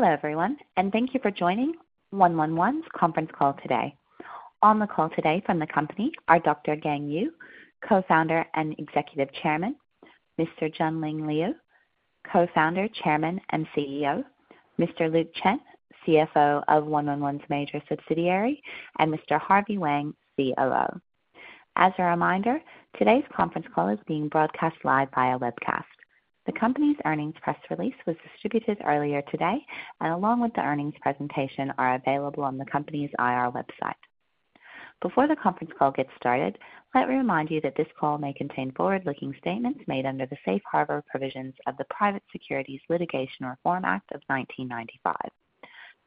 Hello everyone, and thank you for joining 111's conference call today. On the call today from the company are Dr. Gang Yu, Co-founder and Executive Chairman; Mr. Junling Liu, Co-founder, Chairman, and CEO; Mr. Luke Chen, CFO of 111's major subsidiary; and Mr. Harvey Wang, COO. As a reminder, today's conference call is being broadcast live via webcast. The company's earnings press release was distributed earlier today, and along with the earnings presentation, are available on the company's IR website. Before the conference call gets started, let me remind you that this call may contain forward-looking statements made under the Safe Harbor Provisions of the Private Securities Litigation Reform Act of 1995.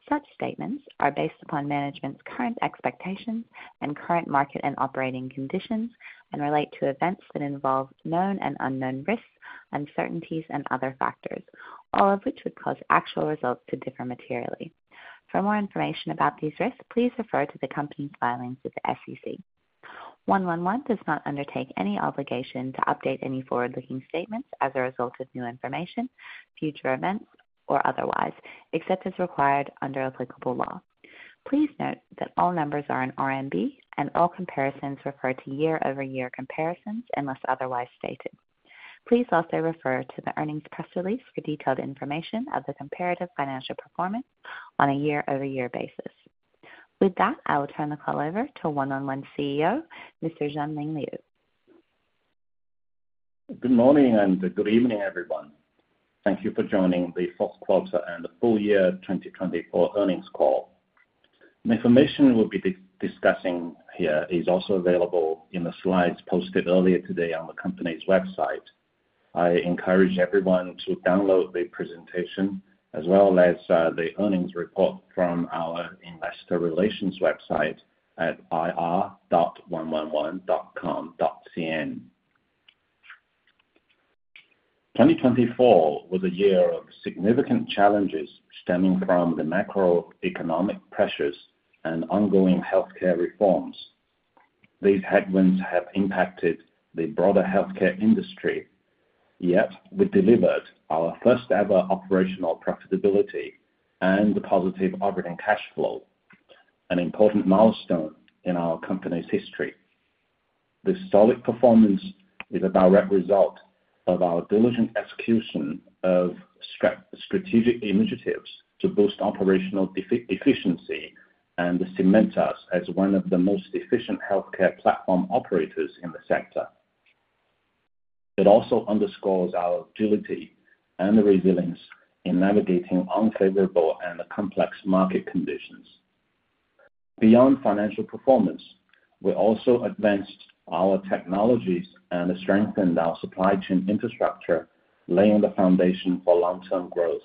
Such statements are based upon management's current expectations and current market and operating conditions, and relate to events that involve known and unknown risks, uncertainties, and other factors, all of which would cause actual results to differ materially. For more information about these risks, please refer to the company's filings with the SEC. 111 does not undertake any obligation to update any forward-looking statements as a result of new information, future events, or otherwise, except as required under applicable law. Please note that all numbers are in RMB, and all comparisons refer to year-over-year comparisons unless otherwise stated. Please also refer to the earnings press release for detailed information of the comparative financial performance on a year-over-year basis. With that, I will turn the call over to 111's CEO, Mr. Junling Liu. Good morning and good evening, everyone. Thank you for joining the fourth quarter and the full year 2024 earnings call. The information we'll be discussing here is also available in the slides posted earlier today on the company's website. I encourage everyone to download the presentation as well as the earnings report from our investor relations website at ir.111.com.cn. 2024 was a year of significant challenges stemming from the macroeconomic pressures and ongoing healthcare reforms. These headwinds have impacted the broader healthcare industry. Yet, we delivered our first-ever operational profitability and positive operating cash flow, an important milestone in our company's history. This solid performance is a direct result of our diligent execution of strategic initiatives to boost operational efficiency and cement us as one of the most efficient healthcare platform operators in the sector. It also underscores our agility and resilience in navigating unfavorable and complex market conditions. Beyond financial performance, we also advanced our technologies and strengthened our supply chain infrastructure, laying the foundation for long-term growth.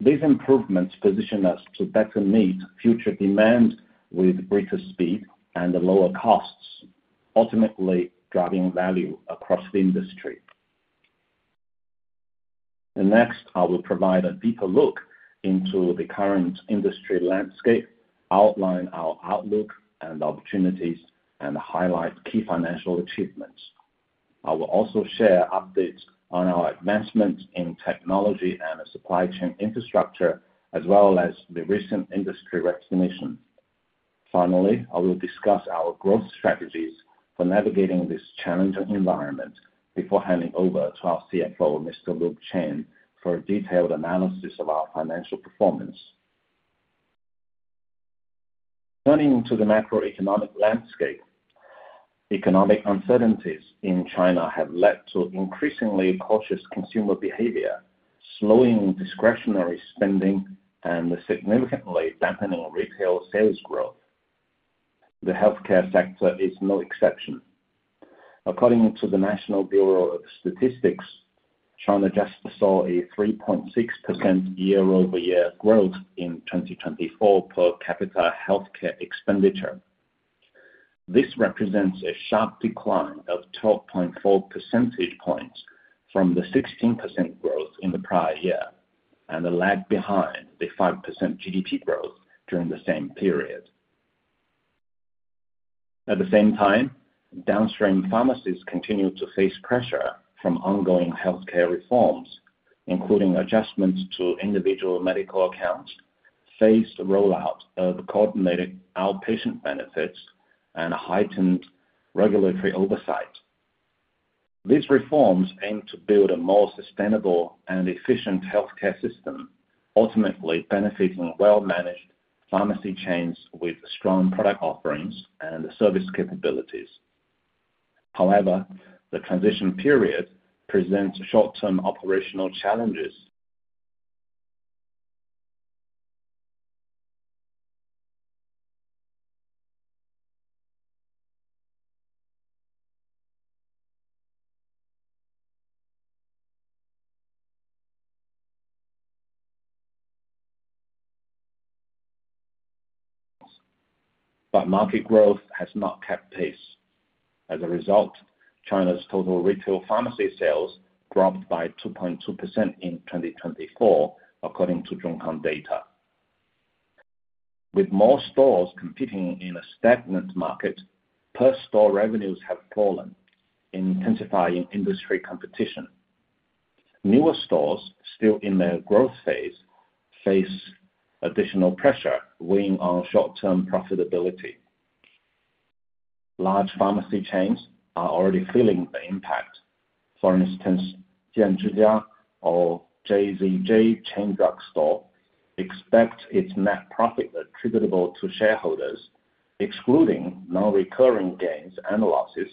These improvements position us to better meet future demand with greater speed and lower costs, ultimately driving value across the industry. Next, I will provide a deeper look into the current industry landscape, outline our outlook and opportunities, and highlight key financial achievements. I will also share updates on our advancements in technology and supply chain infrastructure, as well as the recent industry recognition. Finally, I will discuss our growth strategies for navigating this challenging environment before handing over to our CFO, Mr. Luke Chen, for a detailed analysis of our financial performance. Turning to the macroeconomic landscape, economic uncertainties in China have led to increasingly cautious consumer behavior, slowing discretionary spending, and significantly dampening retail sales growth. The healthcare sector is no exception. According to the National Bureau of Statistics, China just saw a 3.6% year-over-year growth in 2024 per capita healthcare expenditure. This represents a sharp decline of 12.4 percentage points from the 16% growth in the prior year and a lag behind the 5% GDP growth during the same period. At the same time, downstream pharmacies continue to face pressure from ongoing healthcare reforms, including adjustments to individual medical accounts, phased rollout of coordinated outpatient benefits, and heightened regulatory oversight. These reforms aim to build a more sustainable and efficient healthcare system, ultimately benefiting well-managed pharmacy chains with strong product offerings and service capabilities. However, the transition period presents short-term operational challenges. Market growth has not kept pace. As a result, China's total retail pharmacy sales dropped by 2.2% in 2024, according to Zhongkang data. With more stores competing in a stagnant market, per-store revenues have fallen, intensifying industry competition. Newer stores, still in their growth phase, face additional pressure weighing on short-term profitability. Large pharmacy chains are already feeling the impact. For instance, Jianzhijia or JZJ Chain Drug Store expect its net profit attributable to shareholders, excluding non-recurring gains, analysis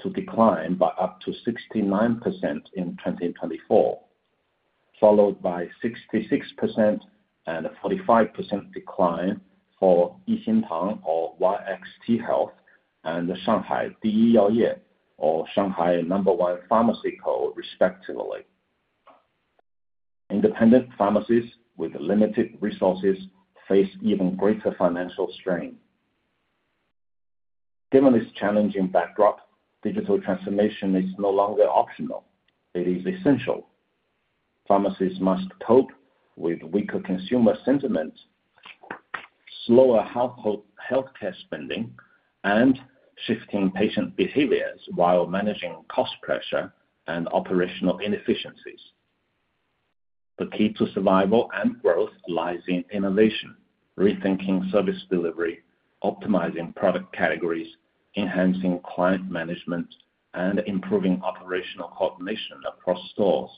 to decline by up to 69% in 2024, followed by 66% and a 45% decline for Yixintang or YXT Health and Shanghai DEYAOYE or Shanghai No. one Pharmacy Co., respectively. Independent pharmacies with limited resources face even greater financial strain. Given this challenging backdrop, digital transformation is no longer optional. It is essential. Pharmacies must cope with weaker consumer sentiment, slower healthcare spending, and shifting patient behaviors while managing cost pressure and operational inefficiencies. The key to survival and growth lies in innovation, rethinking service delivery, optimizing product categories, enhancing client management, and improving operational coordination across stores.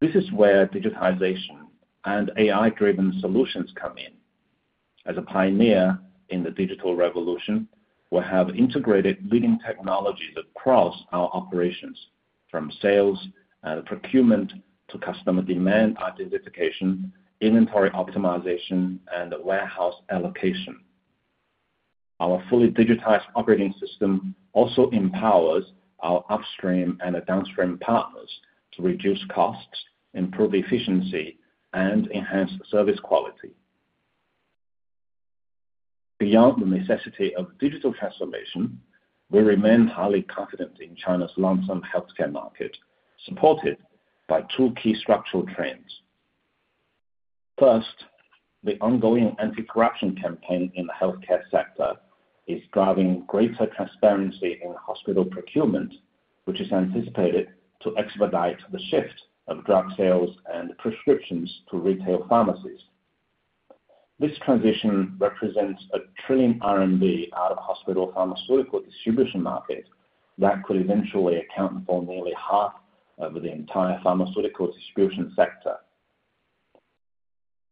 This is where digitization and AI-driven solutions come in. As a pioneer in the digital revolution, we have integrated leading technologies across our operations, from sales and procurement to customer demand identification, inventory optimization, and warehouse allocation. Our fully digitized operating system also empowers our upstream and downstream partners to reduce costs, improve efficiency, and enhance service quality. Beyond the necessity of digital transformation, we remain highly confident in China's long-term healthcare market, supported by two key structural trends. First, the ongoing anti-corruption campaign in the healthcare sector is driving greater transparency in hospital procurement, which is anticipated to expedite the shift of drug sales and prescriptions to retail pharmacies. This transition represents a 1,000,000,000,000 RMB out of the hospital pharmaceutical distribution market that could eventually account for nearly half of the entire pharmaceutical distribution sector.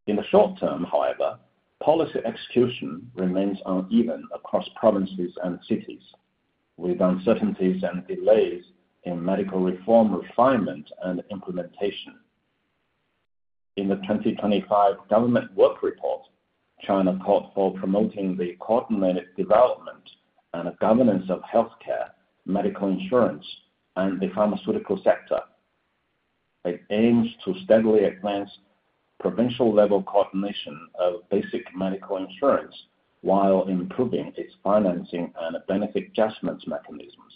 In the short term, however, policy execution remains uneven across provinces and cities, with uncertainties and delays in medical reform refinement and implementation. In the 2025 Government Work Report, China called for promoting the coordinated development and governance of healthcare, medical insurance, and the pharmaceutical sector. It aims to steadily advance provincial-level coordination of basic medical insurance while improving its financing and benefit adjustment mechanisms.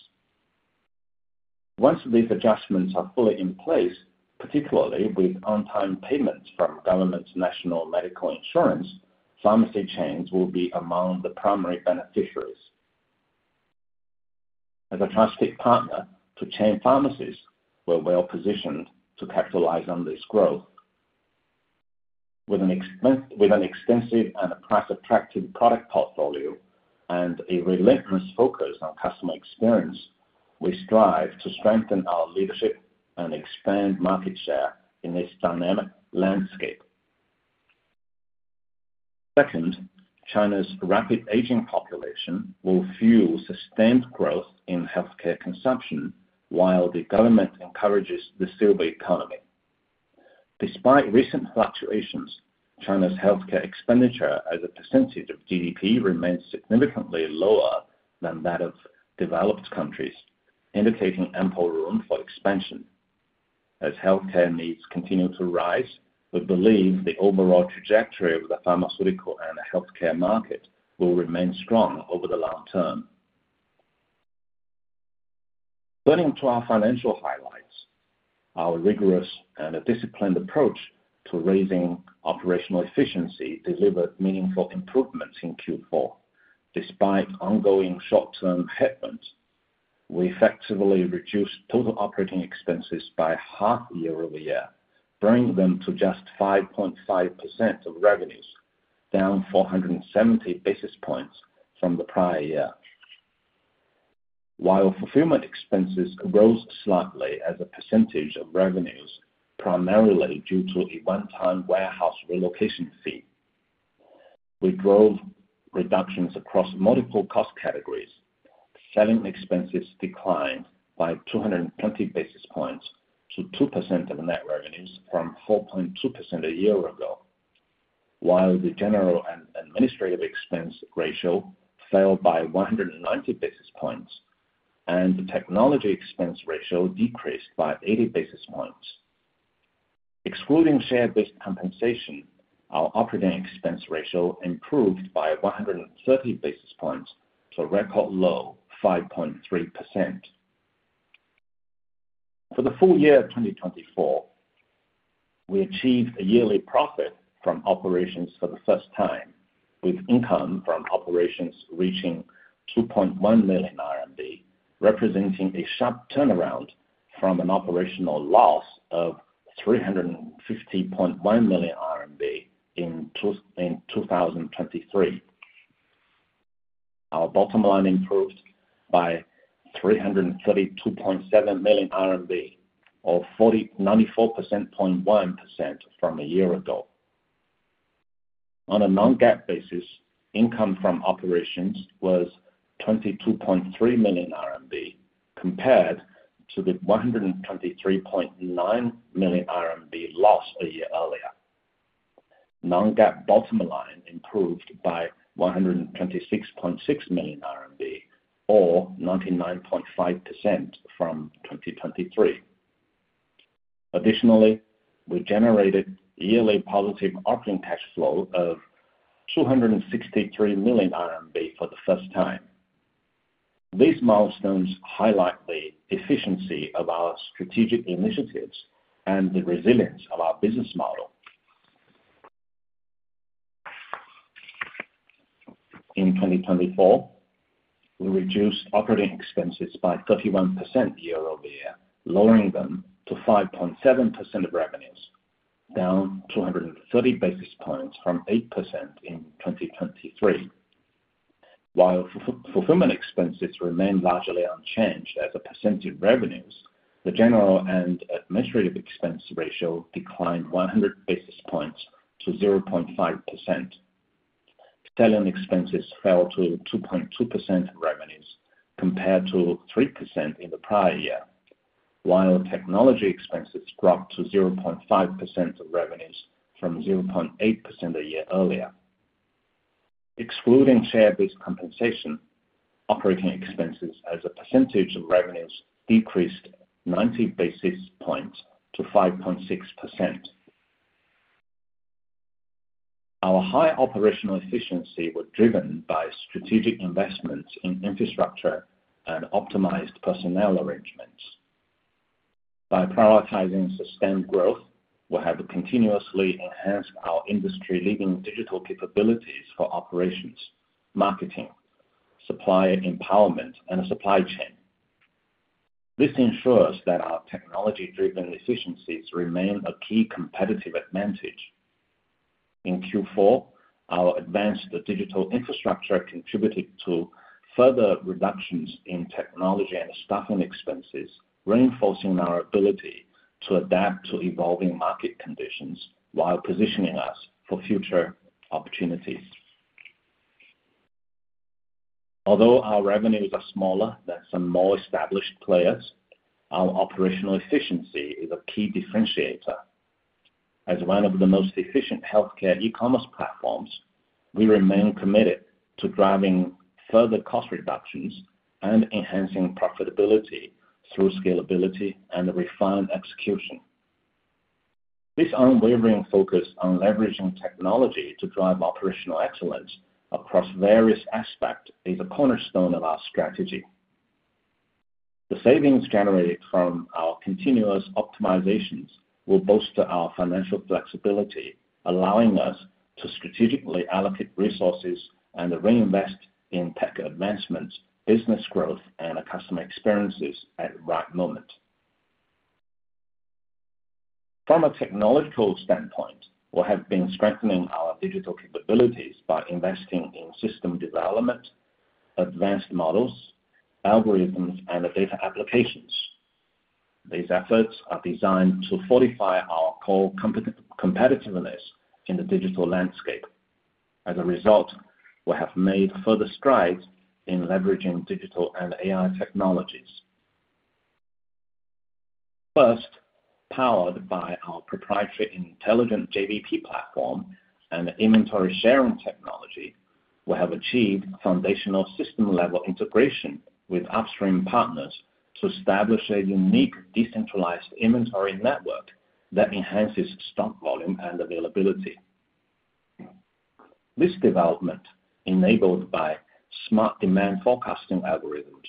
Once these adjustments are fully in place, particularly with on-time payments from government's national medical insurance, pharmacy chains will be among the primary beneficiaries. As a trusted partner to chain pharmacies, we're well-positioned to capitalize on this growth. With an extensive and price-attractive product portfolio and a relentless focus on customer experience, we strive to strengthen our leadership and expand market share in this dynamic landscape. Second, China's rapid aging population will fuel sustained growth in healthcare consumption while the government encourages the silver economy. Despite recent fluctuations, China's healthcare expenditure as a percentage of GDP remains significantly lower than that of developed countries, indicating ample room for expansion. As healthcare needs continue to rise, we believe the overall trajectory of the pharmaceutical and healthcare market will remain strong over the long term. Turning to our financial highlights, our rigorous and disciplined approach to raising operational efficiency delivered meaningful improvements in Q4. Despite ongoing short-term headwinds, we effectively reduced total operating expenses by half year-over-year, bringing them to just 5.5% of revenues, down 470 basis points from the prior year. While fulfillment expenses rose slightly as a percentage of revenues, primarily due to a one-time warehouse relocation fee, we drove reductions across multiple cost categories. Selling expenses declined by 220 basis points to 2% of net revenues from 4.2% a year ago, while the general and administrative expense ratio fell by 190 basis points, and the technology expense ratio decreased by 80 basis points. Excluding share-based compensation, our operating expense ratio improved by 130 basis points to a record low of 5.3%. For the full year of 2024, we achieved a yearly profit from operations for the first time, with income from operations reaching 2.1 million RMB, representing a sharp turnaround from an operational loss of 350.1 million RMB in 2023. Our bottom line improved by RMB 332.7 million, or 94.1% from a year ago. On a non-GAAP basis, income from operations was 22.3 million RMB, compared to the 123.9 million RMB loss a year earlier. Non-GAAP bottom line improved by 126.6 million RMB, or 99.5% from 2023. Additionally, we generated yearly positive operating cash flow of 263 million RMB for the first time. These milestones highlight the efficiency of our strategic initiatives and the resilience of our business model. In 2024, we reduced operating expenses by 31% year-over-year, lowering them to 5.7% of revenues, down 230 basis points from 8% in 2023. While fulfillment expenses remained largely unchanged as a percent of revenues, the general and administrative expense ratio declined 100 basis points to 0.5%. Selling expenses fell to 2.2% of revenues, compared to 3% in the prior year, while technology expenses dropped to 0.5% of revenues from 0.8% a year earlier. Excluding share-based compensation, operating expenses as a percentage of revenues decreased 90 basis points to 5.6%. Our high operational efficiency was driven by strategic investments in infrastructure and optimized personnel arrangements. By prioritizing sustained growth, we have continuously enhanced our industry-leading digital capabilities for operations, marketing, supplier empowerment, and supply chain. This ensures that our technology-driven efficiencies remain a key competitive advantage. In Q4, our advanced digital infrastructure contributed to further reductions in technology and staffing expenses, reinforcing our ability to adapt to evolving market conditions while positioning us for future opportunities. Although our revenues are smaller than some more established players, our operational efficiency is a key differentiator. As one of the most efficient healthcare e-commerce platforms, we remain committed to driving further cost reductions and enhancing profitability through scalability and refined execution. This unwavering focus on leveraging technology to drive operational excellence across various aspects is a cornerstone of our strategy. The savings generated from our continuous optimizations will bolster our financial flexibility, allowing us to strategically allocate resources and reinvest in tech advancements, business growth, and customer experiences at the right moment. From a technological standpoint, we have been strengthening our digital capabilities by investing in system development, advanced models, algorithms, and data applications. These efforts are designed to fortify our core competitiveness in the digital landscape. As a result, we have made further strides in leveraging digital and AI-technologies. First, powered by our proprietary intelligent JVP platform and inventory sharing technology, we have achieved foundational system-level integration with upstream partners to establish a unique decentralized inventory network that enhances stock volume and availability. This development, enabled by smart demand forecasting algorithms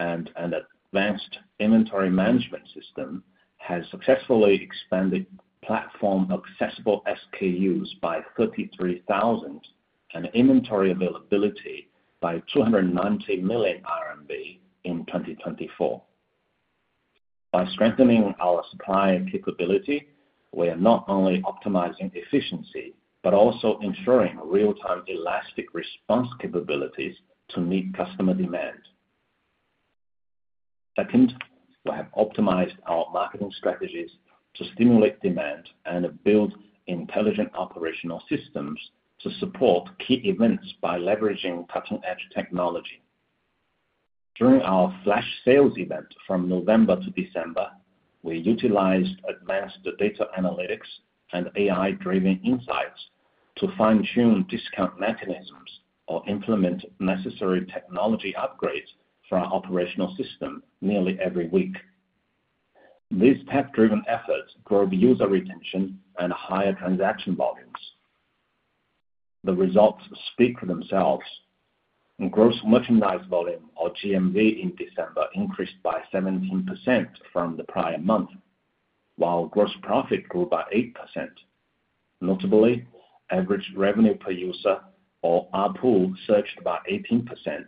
and an advanced inventory management system, has successfully expanded platform accessible SKUs by 33,000 and inventory availability by 290 million RMB in 2024. By strengthening our supplier capability, we are not only optimizing efficiency but also ensuring real-time elastic response capabilities to meet customer demand. Second, we have optimized our marketing strategies to stimulate demand and build intelligent operational systems to support key events by leveraging cutting-edge technology. During our flash sales event from November to December, we utilized advanced data analytics and AI-driven insights to fine-tune discount mechanisms or implement necessary technology upgrades for our operational system nearly every week. These tech-driven efforts drove user retention and higher transaction volumes. The results speak for themselves. Gross merchandise volume, or GMV, in December increased by 17% from the prior month, while gross profit grew by 8%. Notably, average revenue per user, or ARPU, surged by 18%,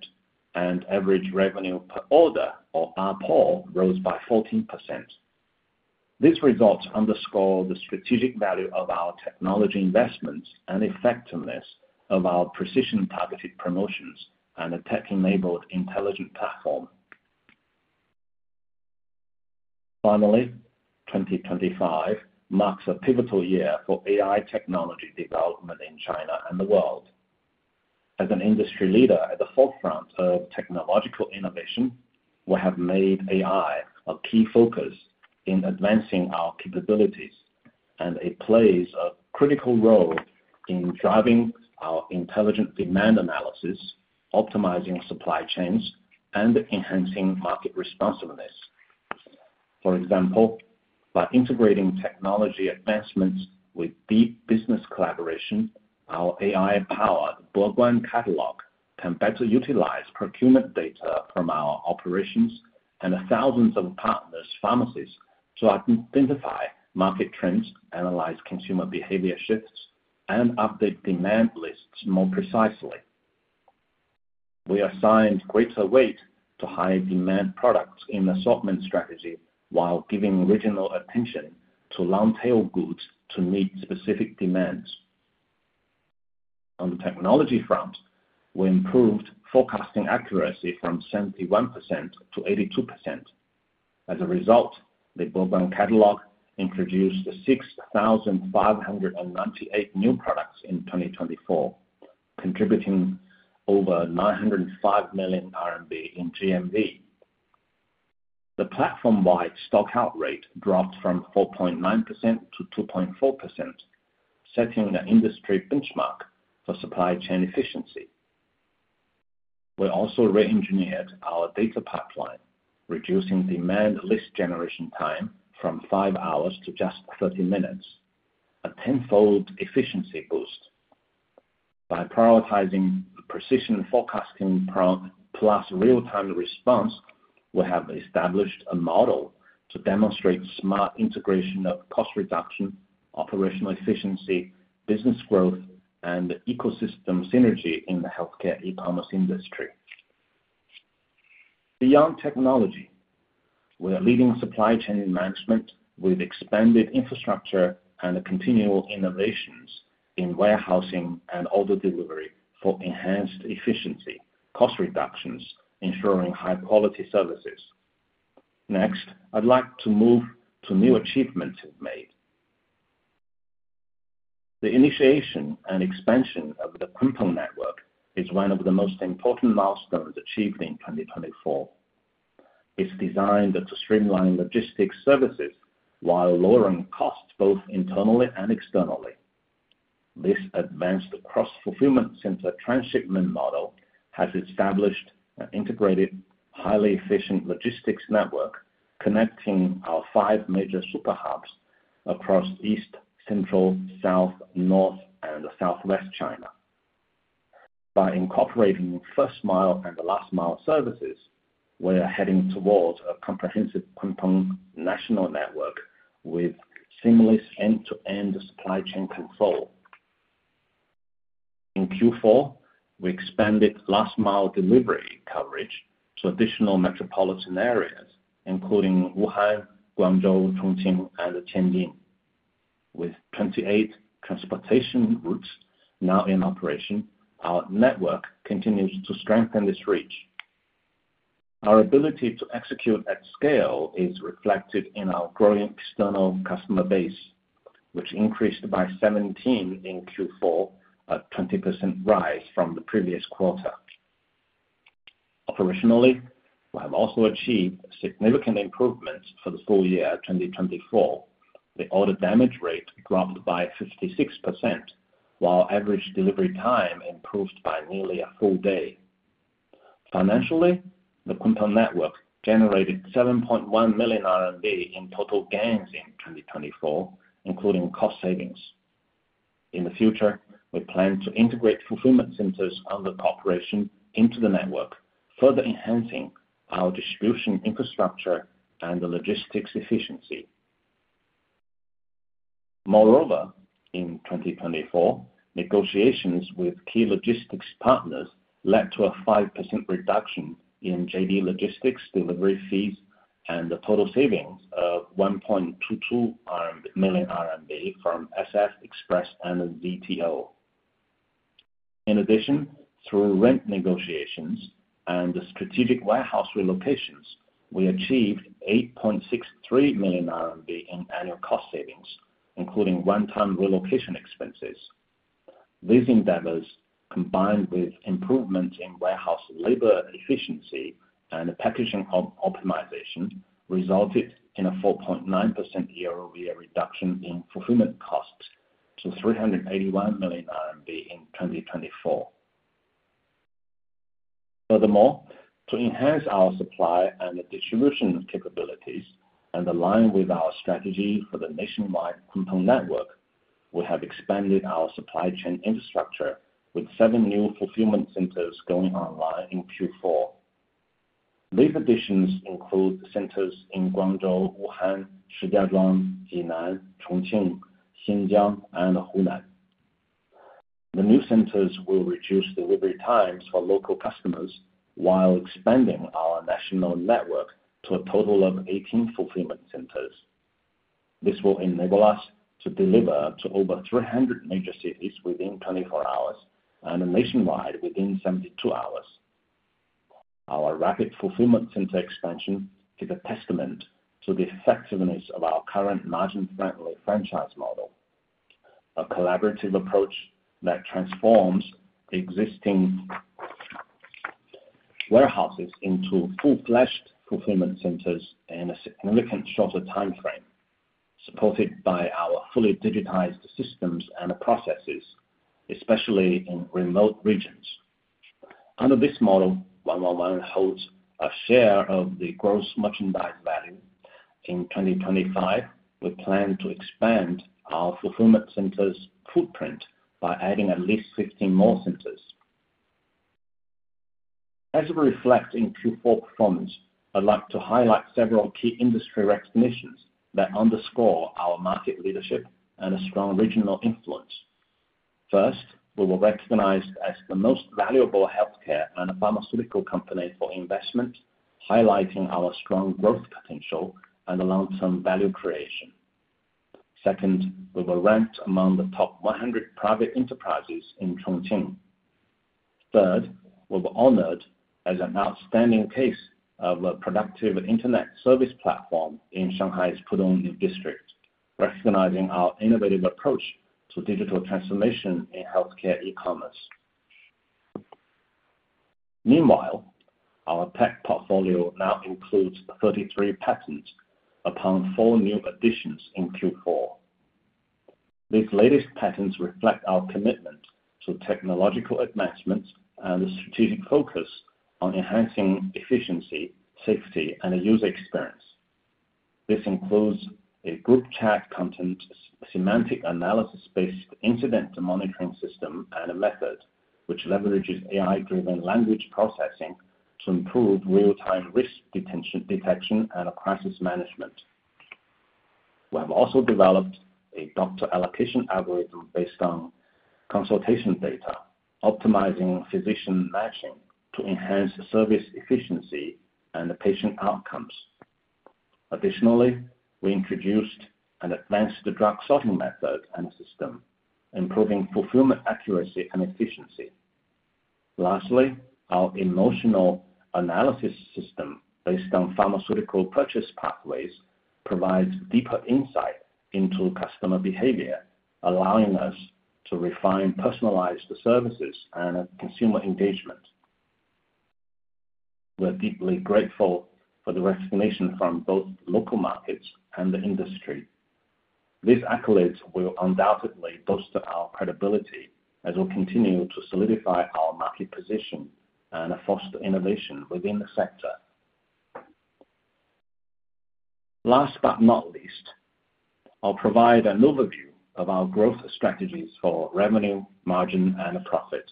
and average revenue per order, or ARPU, rose by 14%. These results underscore the strategic value of our technology investments and effectiveness of our precision-targeted promotions and a tech-enabled intelligent platform. Finally, 2025 marks a pivotal year for AI technology development in China and the world. As an industry leader at the forefront of technological innovation, we have made AI a key focus in advancing our capabilities, and it plays a critical role in driving our intelligent demand analysis, optimizing supply chains, and enhancing market responsiveness. For example, by integrating technology advancements with deep business collaboration, our AI-powered Bouguin Catalog can better utilize procurement data from our operations and thousands of partners' pharmacies to identify market trends, analyze consumer behavior shifts, and update demand lists more precisely. We assigned greater weight to high-demand products in the assortment strategy while giving regional attention to long-tail goods to meet specific demands. On the technology front, we improved forecasting accuracy from 71%-82%. As a result, the Bouguin Catalog introduced 6,598 new products in 2024, contributing over 905 million RMB in GMV. The platform-wide stockout rate dropped from 4.9%-2.4%, setting an industry benchmark for supply chain efficiency. We also re-engineered our data pipeline, reducing demand list generation time from 5 hours to just 30 minutes, a tenfold efficiency boost. By prioritizing precision forecasting plus real-time response, we have established a model to demonstrate smart integration of cost reduction, operational efficiency, business growth, and ecosystem synergy in the healthcare e-commerce industry. Beyond technology, we are leading supply chain management with expanded infrastructure and continual innovations in warehousing and order delivery for enhanced efficiency, cost reductions, ensuring high-quality services. Next, I'd like to move to new achievements made. The initiation and expansion of the Quintel Network is one of the most important milestones achieved in 2024. It's designed to streamline logistics services while lowering costs both internally and externally. This advanced cross-fulfillment center transshipment model has established an integrated, highly efficient logistics network connecting our five major superhubs across East, Central, South, North, and Southwest China. By incorporating first-mile and last-mile services, we are heading towards a comprehensive Quintel national network with seamless end-to-end supply chain control. In Q4, we expanded last-mile delivery coverage to additional metropolitan areas, including Wuhan, Guangzhou, Chongqing, and Tianjin. With 28 transportation routes now in operation, our network continues to strengthen this reach. Our ability to execute at scale is reflected in our growing external customer base, which increased by 17 in Q4, a 20% rise from the previous quarter. Operationally, we have also achieved significant improvements for the full year 2024. The order damage rate dropped by 56%, while average delivery time improved by nearly a full day. Financially, the Quintel Network generated 7.1 million RMB in total gains in 2024, including cost savings. In the future, we plan to integrate fulfillment centers under cooperation into the network, further enhancing our distribution infrastructure and logistics efficiency. Moreover, in 2024, negotiations with key logistics partners led to a 5% reduction in JD Logistics delivery fees and a total savings of 1.22 million RMB from SF Express and ZTO. In addition, through rent negotiations and strategic warehouse relocations, we achieved 8.63 million RMB in annual cost savings, including one-time relocation expenses. These endeavors, combined with improvements in warehouse labor efficiency and packaging optimization, resulted in a 4.9% year-over-year reduction in fulfillment costs to 381 million RMB in 2024. Furthermore, to enhance our supply and distribution capabilities and align with our strategy for the nationwide Quintel Network, we have expanded our supply chain infrastructure with seven new fulfillment centers going online in Q4. These additions include centers in Guangzhou, Wuhan, Shijiazhuang, Jinan, Chongqing, Xinjiang, and Hunan. The new centers will reduce delivery times for local customers while expanding our national network to a total of 18 fulfillment centers. This will enable us to deliver to over 300 major cities within 24 hours and nationwide within 72 hours. Our rapid fulfillment center expansion is a testament to the effectiveness of our current margin-friendly franchise model, a collaborative approach that transforms existing warehouses into full-fledged fulfillment centers in a significantly shorter timeframe, supported by our fully digitized systems and processes, especially in remote regions. Under this model, 111 holds a share of the gross merchandise value. In 2025, we plan to expand our fulfillment centers' footprint by adding at least 15 more centers. As we reflect in Q4 performance, I'd like to highlight several key industry recognitions that underscore our market leadership and a strong regional influence. First, we were recognized as the most valuable healthcare and pharmaceutical company for investment, highlighting our strong growth potential and long-term value creation. Second, we were ranked among the top 100 private enterprises in Chongqing. Third, we were honored as an outstanding case of a productive internet service platform in Shanghai's Pudong New District, recognizing our innovative approach to digital transformation in healthcare e-commerce. Meanwhile, our tech portfolio now includes 33 patents upon four new additions in Q4. These latest patents reflect our commitment to technological advancements and a strategic focus on enhancing efficiency, safety, and user experience. This includes a group chat content, semantic analysis-based incident monitoring system, and a method which leverages AI-driven language processing to improve real-time risk detection and crisis management. We have also developed a doctor allocation algorithm based on consultation data, optimizing physician matching to enhance service efficiency and patient outcomes. Additionally, we introduced an advanced drug sorting method and system, improving fulfillment accuracy and efficiency. Lastly, our emotional analysis system based on pharmaceutical purchase pathways provides deeper insight into customer behavior, allowing us to refine personalized services and consumer engagement. We're deeply grateful for the recognition from both local markets and the industry. These accolades will undoubtedly boost our credibility as we continue to solidify our market position and foster innovation within the sector. Last but not least, I'll provide an overview of our growth strategies for revenue, margin, and profit.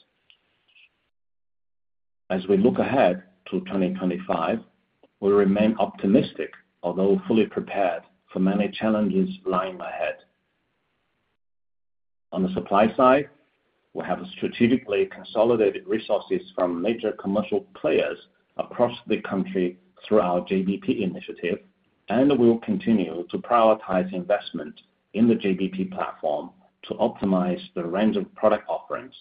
As we look ahead to 2025, we remain optimistic, although fully prepared for many challenges lying ahead. On the supply side, we have strategically consolidated resources from major commercial players across the country through our JBP initiative, and we will continue to prioritize investment in the JBP platform to optimize the range of product offerings.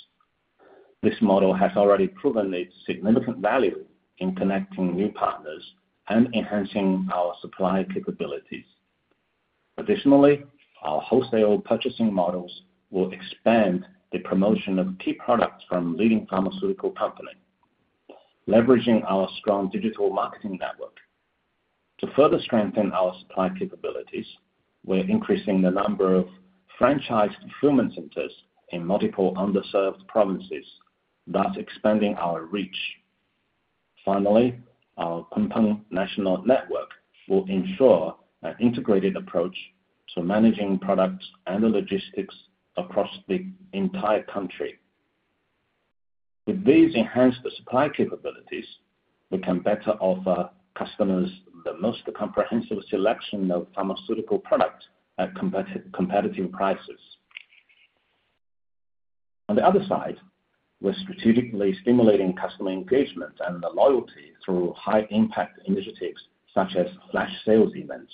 This model has already proven its significant value in connecting new partners and enhancing our supply capabilities. Additionally, our wholesale purchasing models will expand the promotion of key products from leading pharmaceutical companies, leveraging our strong digital marketing network. To further strengthen our supply capabilities, we're increasing the number of franchised fulfillment centers in multiple underserved provinces, thus expanding our reach. Finally, our Quintel national network will ensure an integrated approach to managing products and logistics across the entire country. With these enhanced supply capabilities, we can better offer customers the most comprehensive selection of pharmaceutical products at competitive prices. On the other side, we're strategically stimulating customer engagement and loyalty through high-impact initiatives such as flash sales events,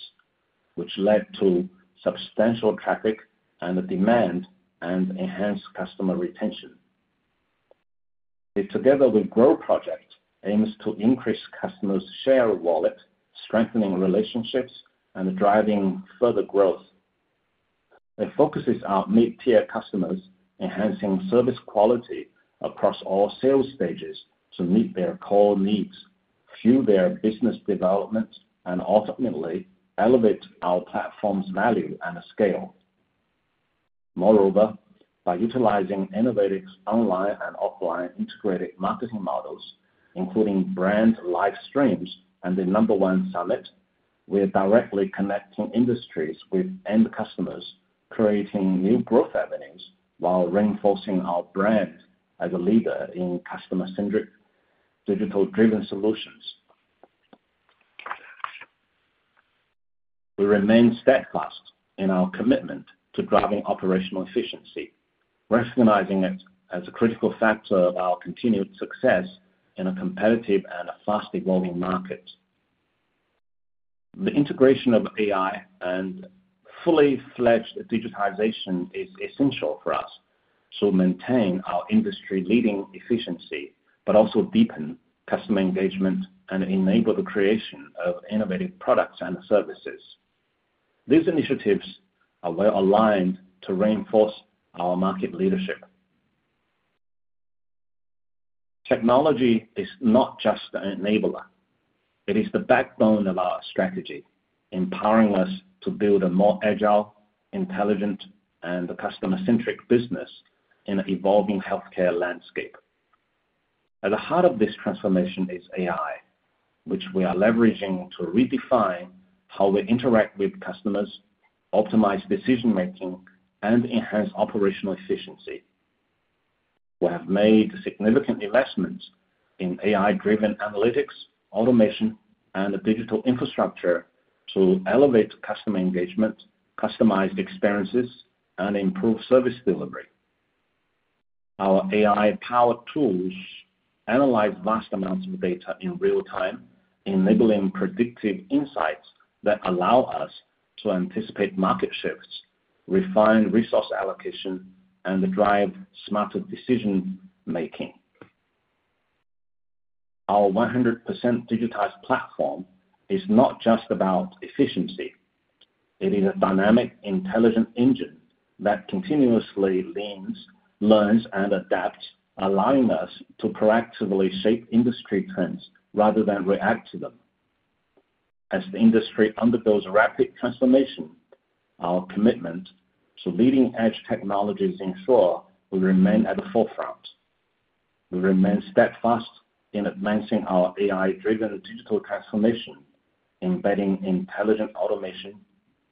which led to substantial traffic and demand and enhanced customer retention. The Together We Grow project aims to increase customers' share wallet, strengthening relationships and driving further growth. It focuses on mid-tier customers, enhancing service quality across all sales stages to meet their core needs, fuel their business development, and ultimately elevate our platform's value and scale. Moreover, by utilizing innovative online and offline integrated marketing models, including brand live streams and the Number One Summit, we are directly connecting industries with end customers, creating new growth avenues while reinforcing our brand as a leader in customer-centric digital-driven solutions. We remain steadfast in our commitment to driving operational efficiency, recognizing it as a critical factor of our continued success in a competitive and fast-evolving market. The integration of AI and fully fledged digitization is essential for us to maintain our industry-leading efficiency, but also deepen customer engagement and enable the creation of innovative products and services. These initiatives are well aligned to reinforce our market leadership. Technology is not just an enabler. It is the backbone of our strategy, empowering us to build a more agile, intelligent, and customer-centric business in an evolving healthcare landscape. At the heart of this transformation is AI, which we are leveraging to redefine how we interact with customers, optimize decision-making, and enhance operational efficiency. We have made significant investments in AI-driven analytics, automation, and digital infrastructure to elevate customer engagement, customized experiences, and improve service delivery. Our AI-powered tools analyze vast amounts of data in real time, enabling predictive insights that allow us to anticipate market shifts, refine resource allocation, and drive smarter decision-making. Our 100% digitized platform is not just about efficiency. It is a dynamic, intelligent engine that continuously learns and adapts, allowing us to proactively shape industry trends rather than react to them. As the industry undergoes rapid transformation, our commitment to leading-edge technologies ensures we remain at the forefront. We remain steadfast in advancing our AI-driven digital transformation, embedding intelligent automation,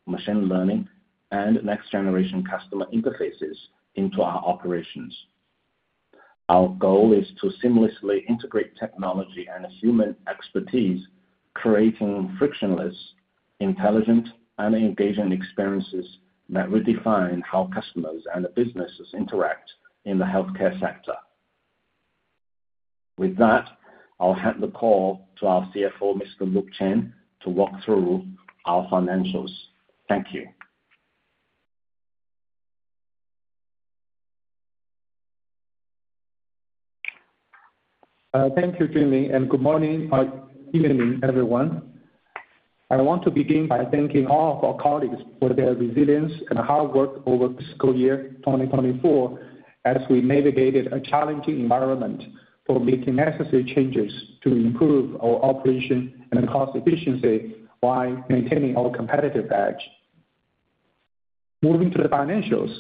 machine learning, and next-generation customer interfaces into our operations. Our goal is to seamlessly integrate technology and human expertise, creating frictionless, intelligent, and engaging experiences that redefine how customers and businesses interact in the healthcare sector. With that, I'll hand the call to our CFO, Mr. Luke Chen, to walk through our financials. Thank you. Thank you, Jimmy, and good morning or evening, everyone. I want to begin by thanking all of our colleagues for their resilience and hard work over fiscal year 2024 as we navigated a challenging environment for making necessary changes to improve our operation and cost efficiency while maintaining our competitive edge. Moving to the financials,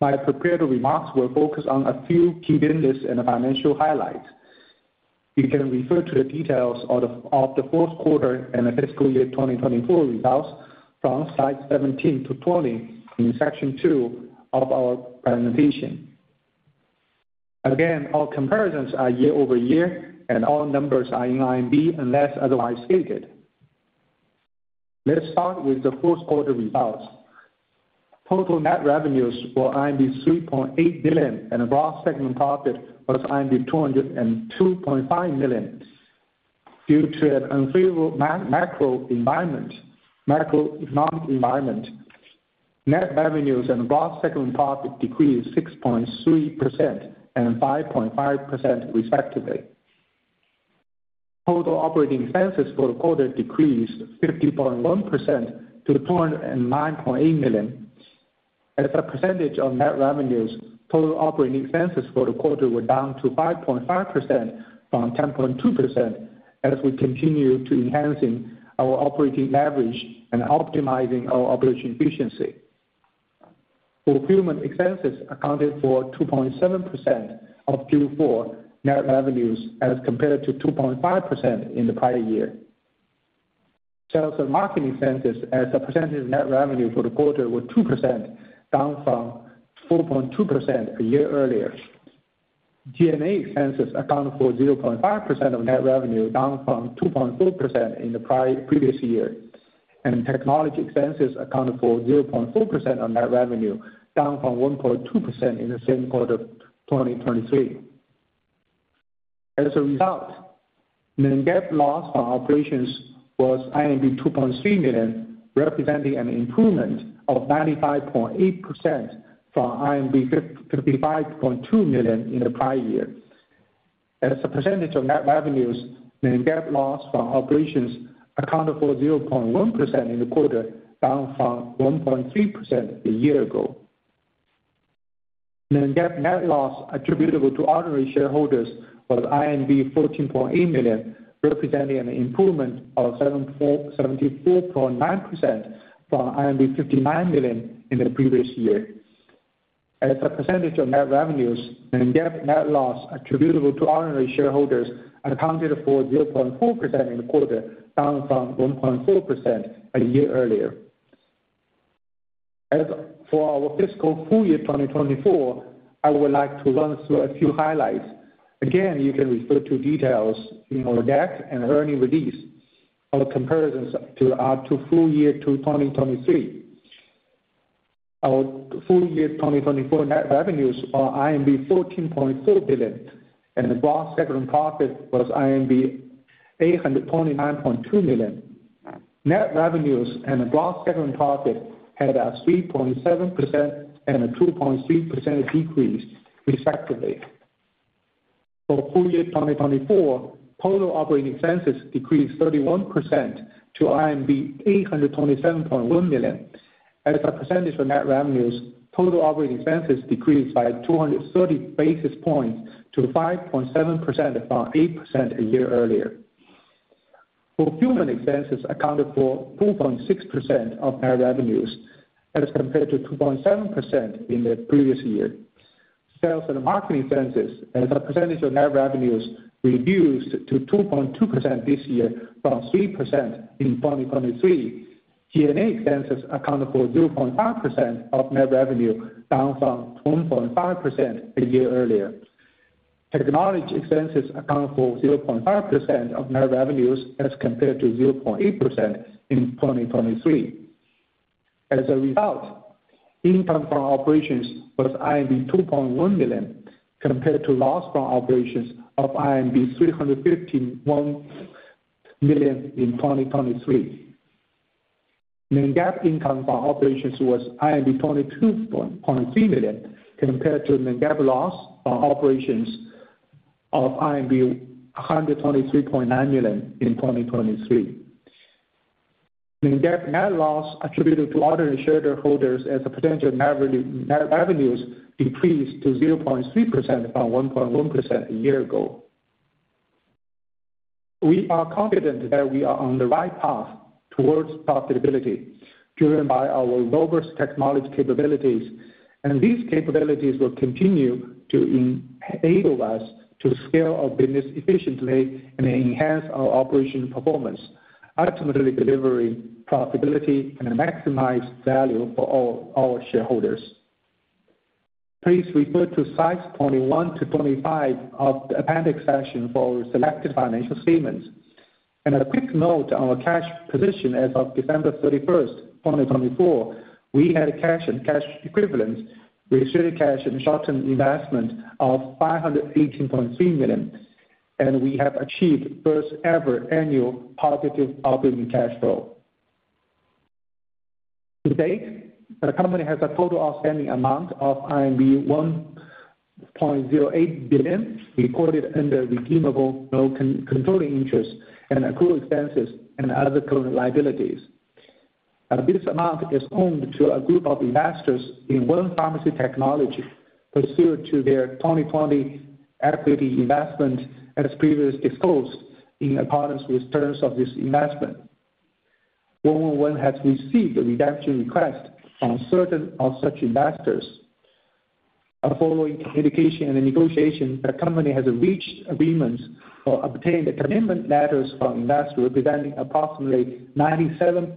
my prepared remarks will focus on a few key business and financial highlights. You can refer to the details of the fourth quarter and the fiscal year 2024 results from slides 17-20 in section 2 of our presentation. Again, our comparisons are year-over-year, and all numbers are in RMB unless otherwise stated. Let's start with the fourth quarter results. Total net revenues were 3.8 billion, and the broad segment profit was 202.5 million. Due to an unfavorable macroeconomic environment, net revenues and broad segment profit decreased 6.3% and 5.5%, respectively. Total operating expenses for the quarter decreased 50.1% to 209.8 million. As a percentage of net revenues, total operating expenses for the quarter were down to 5.5% from 10.2% as we continue to enhance our operating average and optimize our operating efficiency. Fulfillment expenses accounted for 2.7% of Q4 net revenues as compared to 2.5% in the prior year. Sales and marketing expenses, as a percentage of net revenue for the quarter, were 2%, down from 4.2% a year earlier. G&A expenses accounted for 0.5% of net revenue, down from 2.4% in the previous year. Technology expenses accounted for 0.4% of net revenue, down from 1.2% in the same quarter of 2023. As a result, the net loss from operations was 2.3 million, representing an improvement of 95.8% from 55.2 million in the prior year. As a percentage of net revenues, the net loss from operations accounted for 0.1% in the quarter, down from 1.3% a year ago. Net loss attributable to ordinary shareholders was 14.8 million, representing an improvement of 74.9% from 59 million in the previous year. As a percentage of net revenues, the net loss attributable to ordinary shareholders accounted for 0.4% in the quarter, down from 1.4% a year earlier. As for our fiscal full year 2024, I would like to run through a few highlights. Again, you can refer to details in our debt and earnings release for comparisons to our full year 2023. Our full year 2024 net revenues were 14.4 billion, and the broad segment profit was 829.2 million. Net revenues and the broad segment profit had a 3.7% and a 2.3% decrease, respectively. For full year 2024, total operating expenses decreased 31% to RMB 827.1 million. As a percentage of net revenues, total operating expenses decreased by 230 basis points to 5.7% from 8% a year earlier. Fulfillment expenses accounted for 4.6% of net revenues, as compared to 2.7% in the previous year. Sales and marketing expenses, as a percentage of net revenues, reduced to 2.2% this year from 3% in 2023. G&A expenses accounted for 0.5% of net revenues, down from 1.5% a year earlier. Technology expenses accounted for 0.5% of net revenues, as compared to 0.8% in 2023. As a result, income from operations was 2.1 million, compared to loss from operations of 351 million in 2023. Net GAAP income from operations was 22.3 million, compared to net GAAP loss from operations of 123.9 million in 2023. Net GAAP net loss attributed to ordinary shareholders, as a percentage of net revenues, decreased to 0.3% from 1.1% a year ago. We are confident that we are on the right path towards profitability, driven by our robust technology capabilities. These capabilities will continue to enable us to scale our business efficiently and enhance our operational performance, ultimately delivering profitability and maximized value for all our shareholders. Please refer to slides 21-25 of the appendix section for our selected financial statements. A quick note on our cash position: as of December 31, 2024, we had cash and cash equivalents, resilient cash, and short-term investment of 518.3 million. We have achieved first-ever annual positive operating cash flow. To date, the company has a total outstanding amount of RMB 1.08 billion, recorded under redeemable non-controlling interest and accrual expenses and other current liabilities. This amount is owed to a group of investors in One Pharmacy Technology, pursuant to their 2020 equity investment, as previously disclosed in accordance with terms of this investment. 111 has received a redemption request from certain of such investors. Following communication and negotiation, the company has reached agreements or obtained commitment letters from investors representing approximately 97%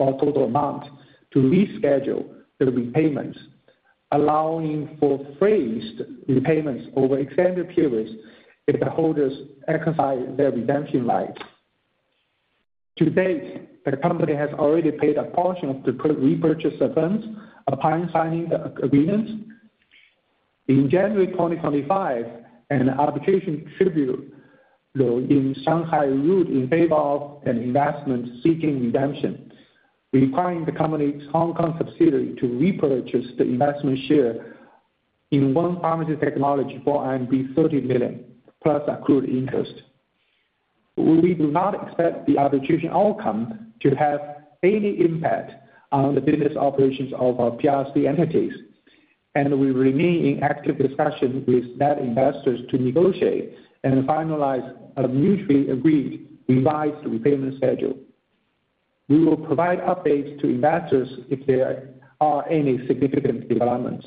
of the total amount to reschedule the repayments, allowing for phased repayments over extended periods if the holders exercise their redemption rights. To date, the company has already paid a portion of the repurchase funds upon signing the agreement. In January 2025, an application tribunal in Shanghai ruled in favor of an investor seeking redemption, requiring the company's Hong Kong subsidiary to repurchase the investment share in One Pharmacy Technology for 30 million, plus accrued interest. We do not expect the arbitration outcome to have any impact on the business operations of our PRC entities, and we remain in active discussion with net investors to negotiate and finalize a mutually agreed revised repayment schedule. We will provide updates to investors if there are any significant developments.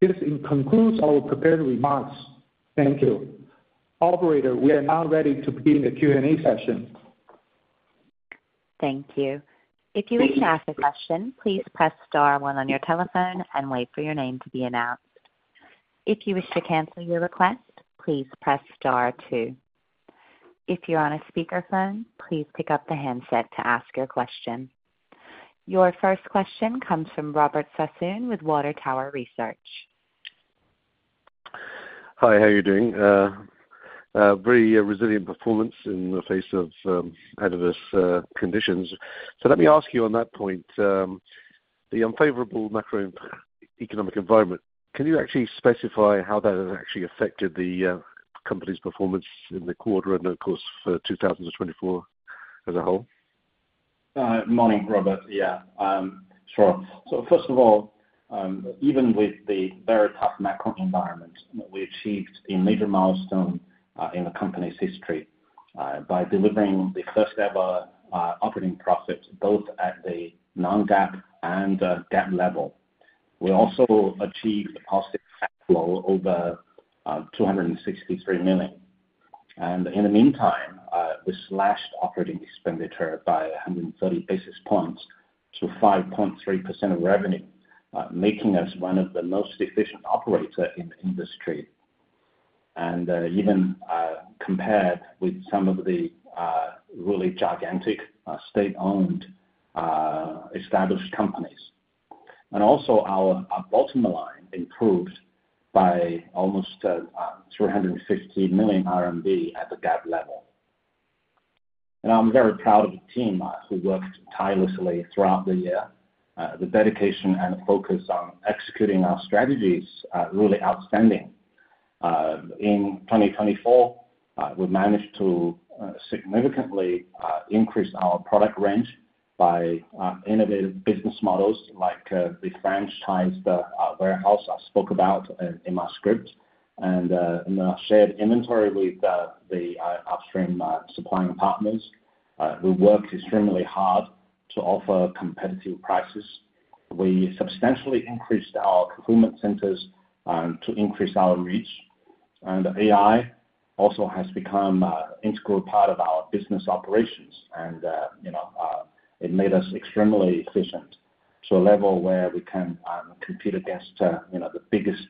This concludes our prepared remarks. Thank you. Operator, we are now ready to begin the Q&A session. Thank you. If you wish to ask a question, please press star one on your telephone and wait for your name to be announced. If you wish to cancel your request, please press star two. If you're on a speakerphone, please pick up the handset to ask your question. Your first question comes from Robert Sassoon with Water Tower Research. Hi, how are you doing? Very resilient performance in the face of adverse conditions. Let me ask you on that point, the unfavorable macroeconomic environment, can you actually specify how that has actually affected the company's performance in the quarter and, of course, for 2024 as a whole? Morning, Robert. Yeah, sure. First of all, even with the very tough macro environment, we achieved a major milestone in the company's history by delivering the first-ever operating profit, both at the non-GAAP and GAAP level. We also achieved a positive cash flow over 263 million. In the meantime, we slashed operating expenditure by 130 basis points to 5.3% of revenue, making us one of the most efficient operators in the industry, even compared with some of the really gigantic state-owned established companies. Also, our bottom line improved by almost 350 million RMB at the GAAP level. I am very proud of the team who worked tirelessly throughout the year. The dedication and focus on executing our strategy is really outstanding. In 2024, we managed to significantly increase our product range by innovative business models like the franchised warehouse I spoke about in my script and the shared inventory with the upstream supplying partners. We worked extremely hard to offer competitive prices. We substantially increased our fulfillment centers to increase our reach. AI also has become an integral part of our business operations, and it made us extremely efficient to a level where we can compete against the biggest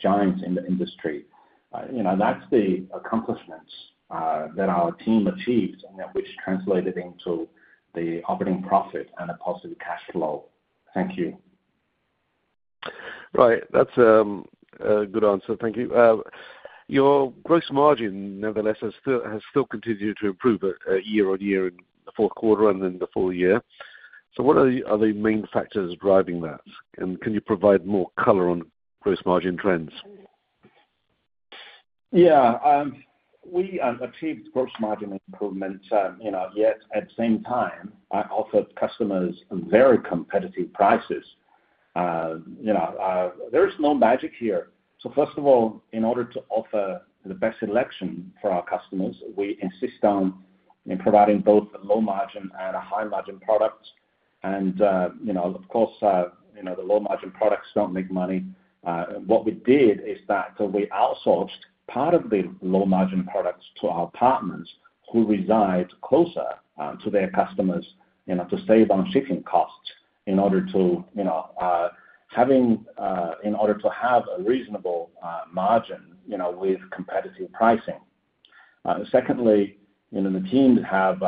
giants in the industry. That is the accomplishments that our team achieved and which translated into the operating profit and a positive cash flow. Thank you. Right. That is a good answer. Thank you. Your gross margin, nevertheless, has still continued to improve year on year in the fourth quarter and in the full year. What are the main factors driving that? Can you provide more color on gross margin trends? Yeah. We achieved gross margin improvement yet at the same time, I offered customers very competitive prices. There is no magic here. First of all, in order to offer the best selection for our customers, we insist on providing both a low margin and a high margin product. Of course, the low margin products do not make money. What we did is that we outsourced part of the low margin products to our partners who reside closer to their customers to save on shipping costs in order to have a reasonable margin with competitive pricing. Secondly, the team have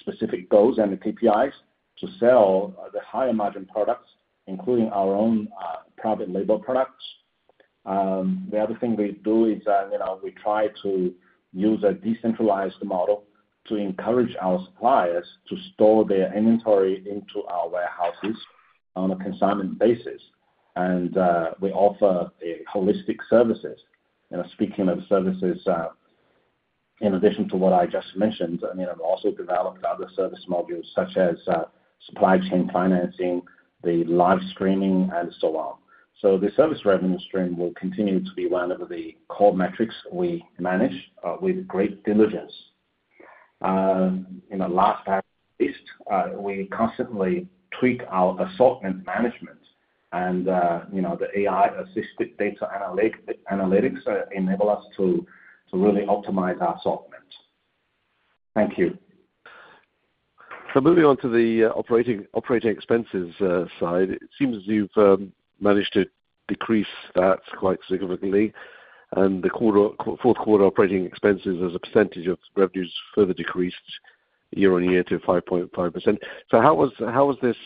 specific goals and KPIs to sell the higher margin products, including our own private label products. The other thing we do is we try to use a decentralized model to encourage our suppliers to store their inventory into our warehouses on a consignment basis. We offer holistic services. Speaking of services, in addition to what I just mentioned, we also developed other service modules such as supply chain financing, the live streaming, and so on. The service revenue stream will continue to be one of the core metrics we manage with great diligence. Last but not least, we constantly tweak our assortment management, and the AI-assisted data analytics enable us to really optimize our assortment. Thank you. Moving on to the operating expenses side, it seems as you've managed to decrease that quite significantly. The fourth quarter operating expenses, as a percentage of revenues, further decreased year-on-year to 5.5%. How was this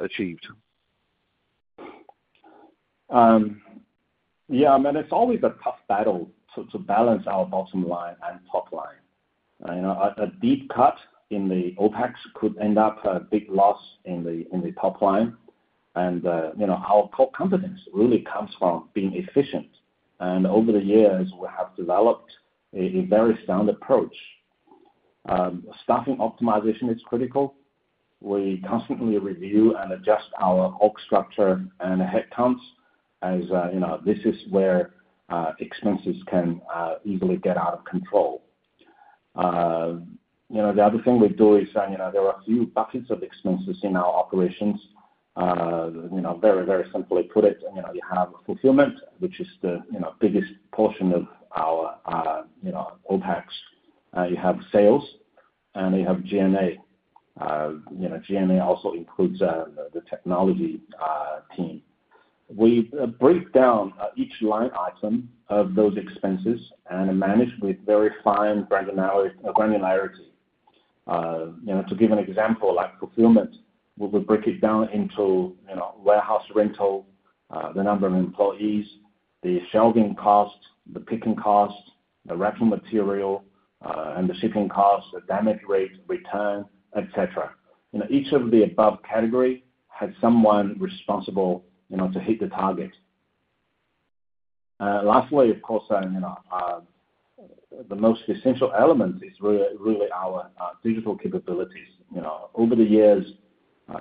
achieved? Yeah. I mean, it's always a tough battle to balance our bottom line and top line. A deep cut in the OpEx could end up a big loss in the top line. Our core competence really comes from being efficient. Over the years, we have developed a very sound approach. Staffing optimization is critical. We constantly review and adjust our org structure and headcounts as this is where expenses can easily get out of control. The other thing we do is there are a few buckets of expenses in our operations. Very, very simply put it, you have fulfillment, which is the biggest portion of our OpEx. You have sales, and you have G&A. G&A also includes the technology team. We break down each line item of those expenses and manage with very fine granularity. To give an example, like fulfillment, we would break it down into warehouse rental, the number of employees, the shelving cost, the picking cost, the wrapping material, and the shipping cost, the damage rate, return, etc. Each of the above categories has someone responsible to hit the target. Lastly, of course, the most essential element is really our digital capabilities. Over the years,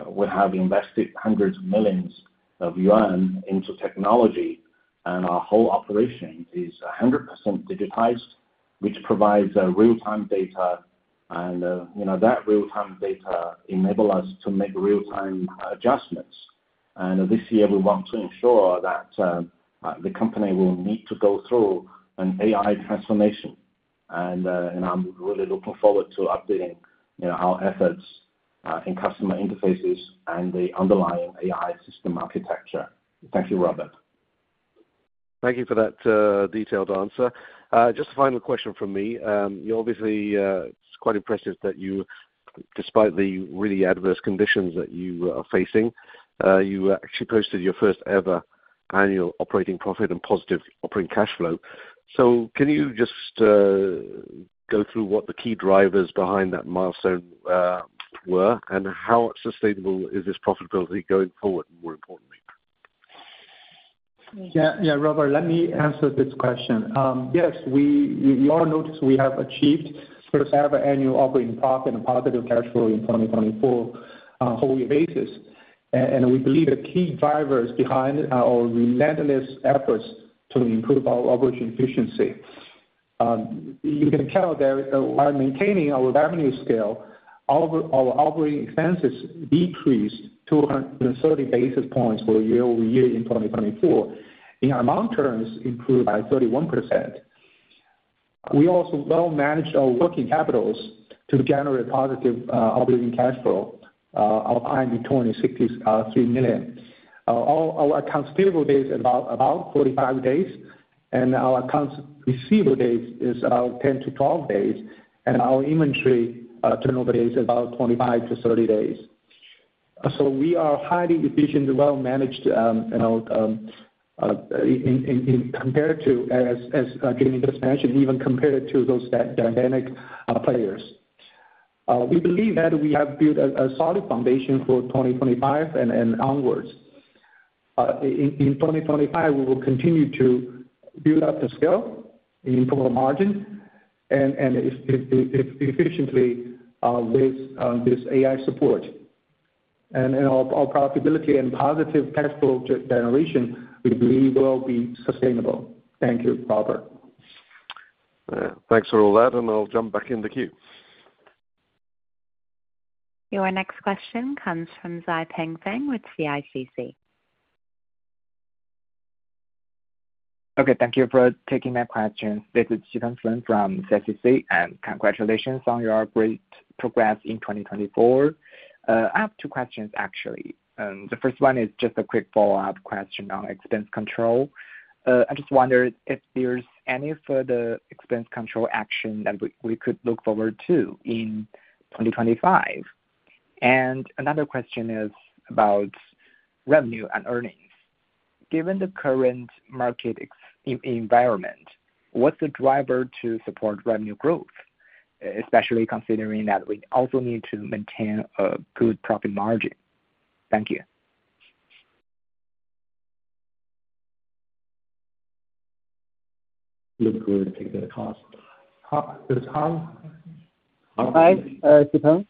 we have invested hundreds of millions of yuan into technology, and our whole operation is 100% digitized, which provides real-time data. That real-time data enables us to make real-time adjustments. This year, we want to ensure that the company will need to go through an AI transformation. I'm really looking forward to updating our efforts in customer interfaces and the underlying AI system architecture. Thank you, Robert. Thank you for that detailed answer. Just a final question from me. Obviously, it's quite impressive that you, despite the really adverse conditions that you are facing, you actually posted your first-ever annual operating profit and positive operating cash flow. Can you just go through what the key drivers behind that milestone were and how sustainable is this profitability going forward, more importantly? Yeah, Robert, let me answer this question. Yes, we all notice we have achieved first-ever annual operating profit and positive cash flow in 2024 on a whole-year basis. We believe the key drivers behind are our relentless efforts to improve our operating efficiency. You can tell that while maintaining our revenue scale, our operating expenses decreased 230 basis points year-over-year in 2024. In our long term, it's improved by 31%. We also well manage our working capitals to generate positive operating cash flow of 2,063 million. Our accounts payable date is about 45 days, and our accounts receivable date is about 10-12 days, and our inventory turnover date is about 25-30 days. We are highly efficient, well managed compared to, as Gianluca just mentioned, even compared to those dynamic players. We believe that we have built a solid foundation for 2025 and onwards. In 2025, we will continue to build up the scale in total margin and efficiently with this AI support. Our profitability and positive cash flow generation, we believe, will be sustainable. Thank you, Robert. Thanks for all that, and I'll jump back in the queue. Your next question comes from Xipeng Feng with CICC. Okay. Thank you for taking my question. This is Xipeng Feng from CICC, and congratulations on your great progress in 2024. I have two questions, actually. The first one is just a quick follow-up question on expense control. I just wondered if there's any further expense control action that we could look forward to in 2025. Another question is about revenue and earnings. Given the current market environment, what's the driver to support revenue growth, especially considering that we also need to maintain a good profit margin? Thank you. Look forward to taking the call. This is Han. Hi, Xipeng.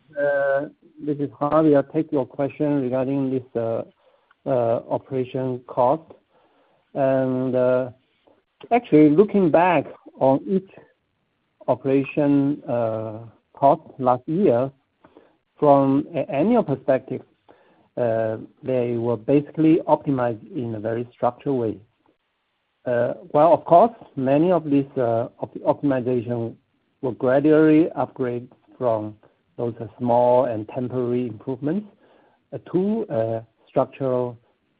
This is Han. We are taking your question regarding this operation cost. Actually, looking back on each operation cost last year, from an annual perspective, they were basically optimized in a very structured way. Of course, many of these optimizations were gradually upgraded from those small and temporary improvements to structural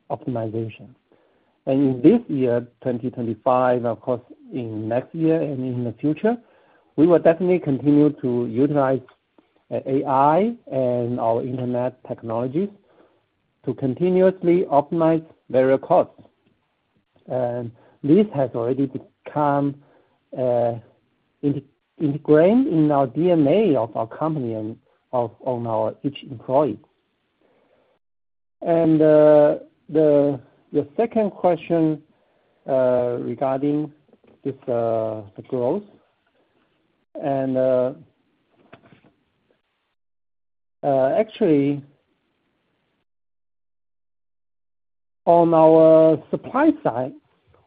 optimization. And in this year, 2025, and of course, in next year and in the future, we will definitely continue to utilize AI and our internet technologies to continuously optimize various costs. This has already become integrated in our DNA of our company and of each employee. The second question regarding this growth, actually, on our supply side,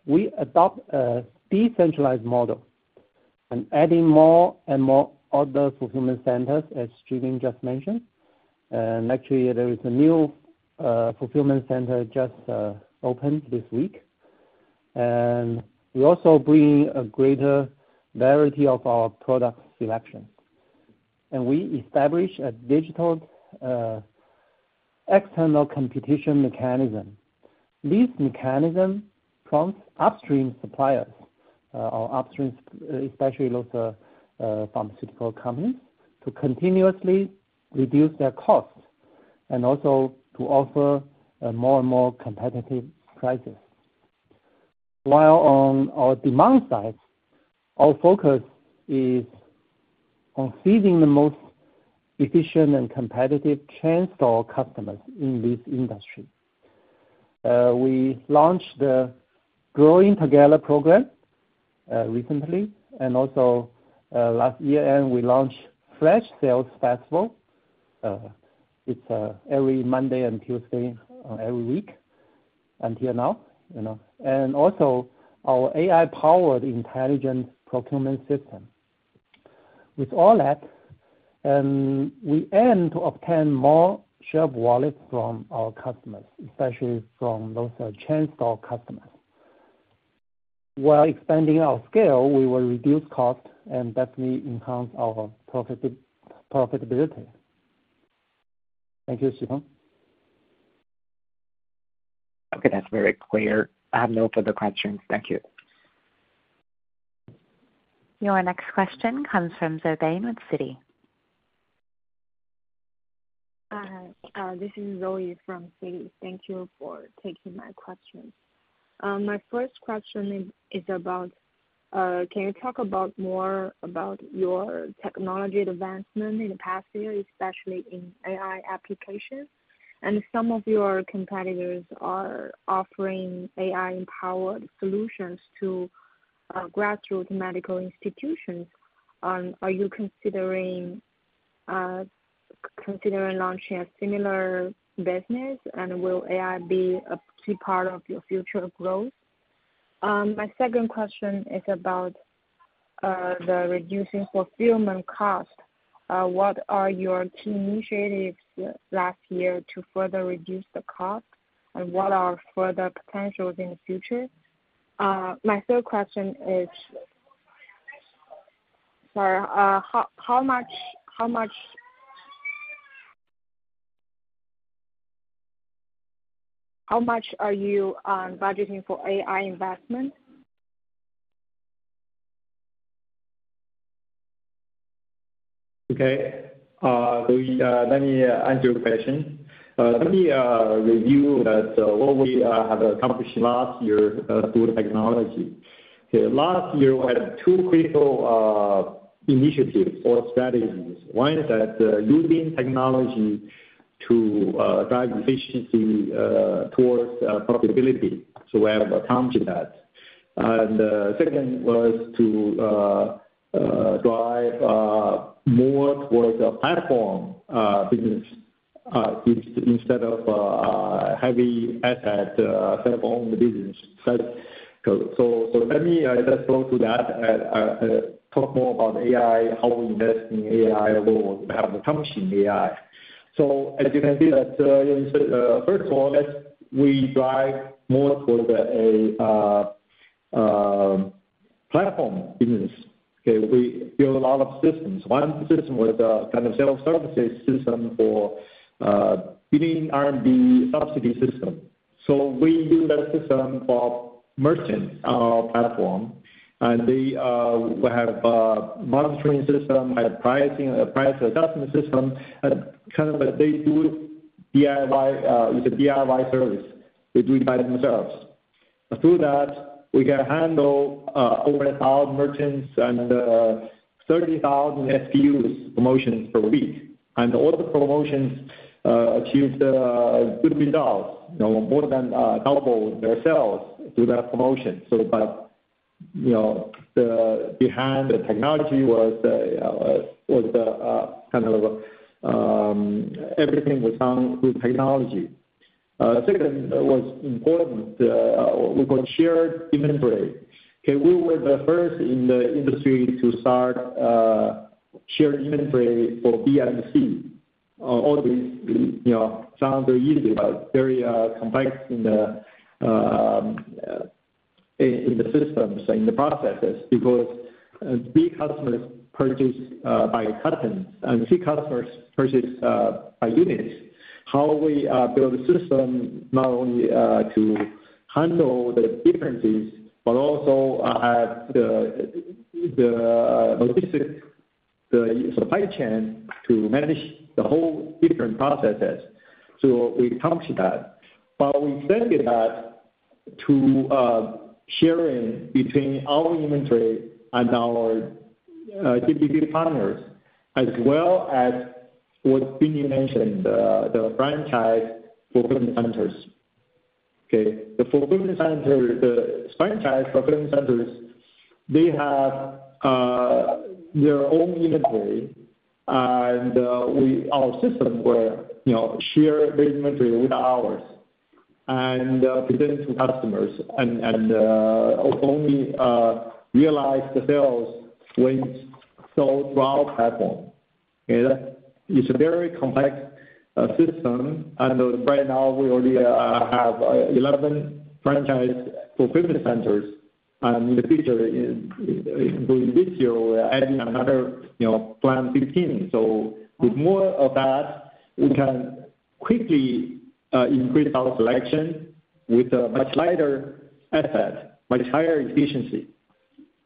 we adopt a decentralized model and adding more and more other fulfillment centers, as Junling just mentioned. Actually, there is a new fulfillment center just opened this week. We also bring a greater variety of our product selections. We established a digital external competition mechanism. This mechanism prompts upstream suppliers, or upstream, especially those pharmaceutical companies, to continuously reduce their costs and also to offer more and more competitive prices. While on our demand side, our focus is on feeding the most efficient and competitive chain store customers in this industry. We launched the Growing Together program recently. Last year, we launched Fresh Sales Festival. It is every Monday and Tuesday every week until now. Also, our AI-powered intelligent procurement system. With all that, we aim to obtain more share of wallets from our customers, especially from those chain store customers. While expanding our scale, we will reduce costs and definitely enhance our profitability. Thank you, Xipeng. Okay. That is very clear. I have no further questions. Thank you. Your next question comes from Zoe with CITI. This is Zoe from CITI. Thank you for taking my questions. My first question is about, can you talk more about your technology advancement in the past year, especially in AI applications? Some of your competitors are offering AI-powered solutions to grassroots medical institutions. Are you considering launching a similar business, and will AI be a key part of your future growth? My second question is about the reducing fulfillment cost. What are your key initiatives last year to further reduce the cost, and what are further potentials in the future? My third question is, sorry, how much are you budgeting for AI investment? Okay. Let me answer your question. Let me review what we have accomplished last year through technology. Last year, we had two critical initiatives or strategies. One is that using technology to drive efficiency towards profitability. We have accomplished that. The second was to drive more towards a platform business instead of heavy asset-only business. Let me just go through that and talk more about AI, how we invest in AI, what we have accomplished in AI. As you can see, first of all, we drive more towards a platform business. We build a lot of systems. One system was a kind of self-services system for billing R&D subsidy system. We use that system for merchants, our platform. They have a monitoring system, a price adjustment system, and kind of a DIY. It's a DIY service. They do it by themselves. Through that, we can handle over 1,000 merchants and 30,000 SKUs promotions per week. All the promotions achieved good results, more than double their sales through that promotion. Behind the technology, everything was done through technology. Second was important, we could share inventory. We were the first in the industry to start shared inventory for BMC. All these sound very easy, but very complex in the systems, in the processes, because B customers purchase by cut-ins and C customers purchase by units. How we built a system not only to handle the differences, but also have the logistics, the supply chain to manage the whole different processes. We accomplished that. We extended that to sharing between our inventory and our DPP partners, as well as what Binny mentioned, the franchise fulfillment centers. The franchise fulfillment centers, they have their own inventory, and our system will share their inventory with ours and present to customers and only realize the sales when sold through our platform. It's a very complex system. Right now, we already have 11 franchise fulfillment centers. In the future, including this year, we're adding another plan 15. With more of that, we can quickly increase our selection with a much lighter asset, much higher efficiency.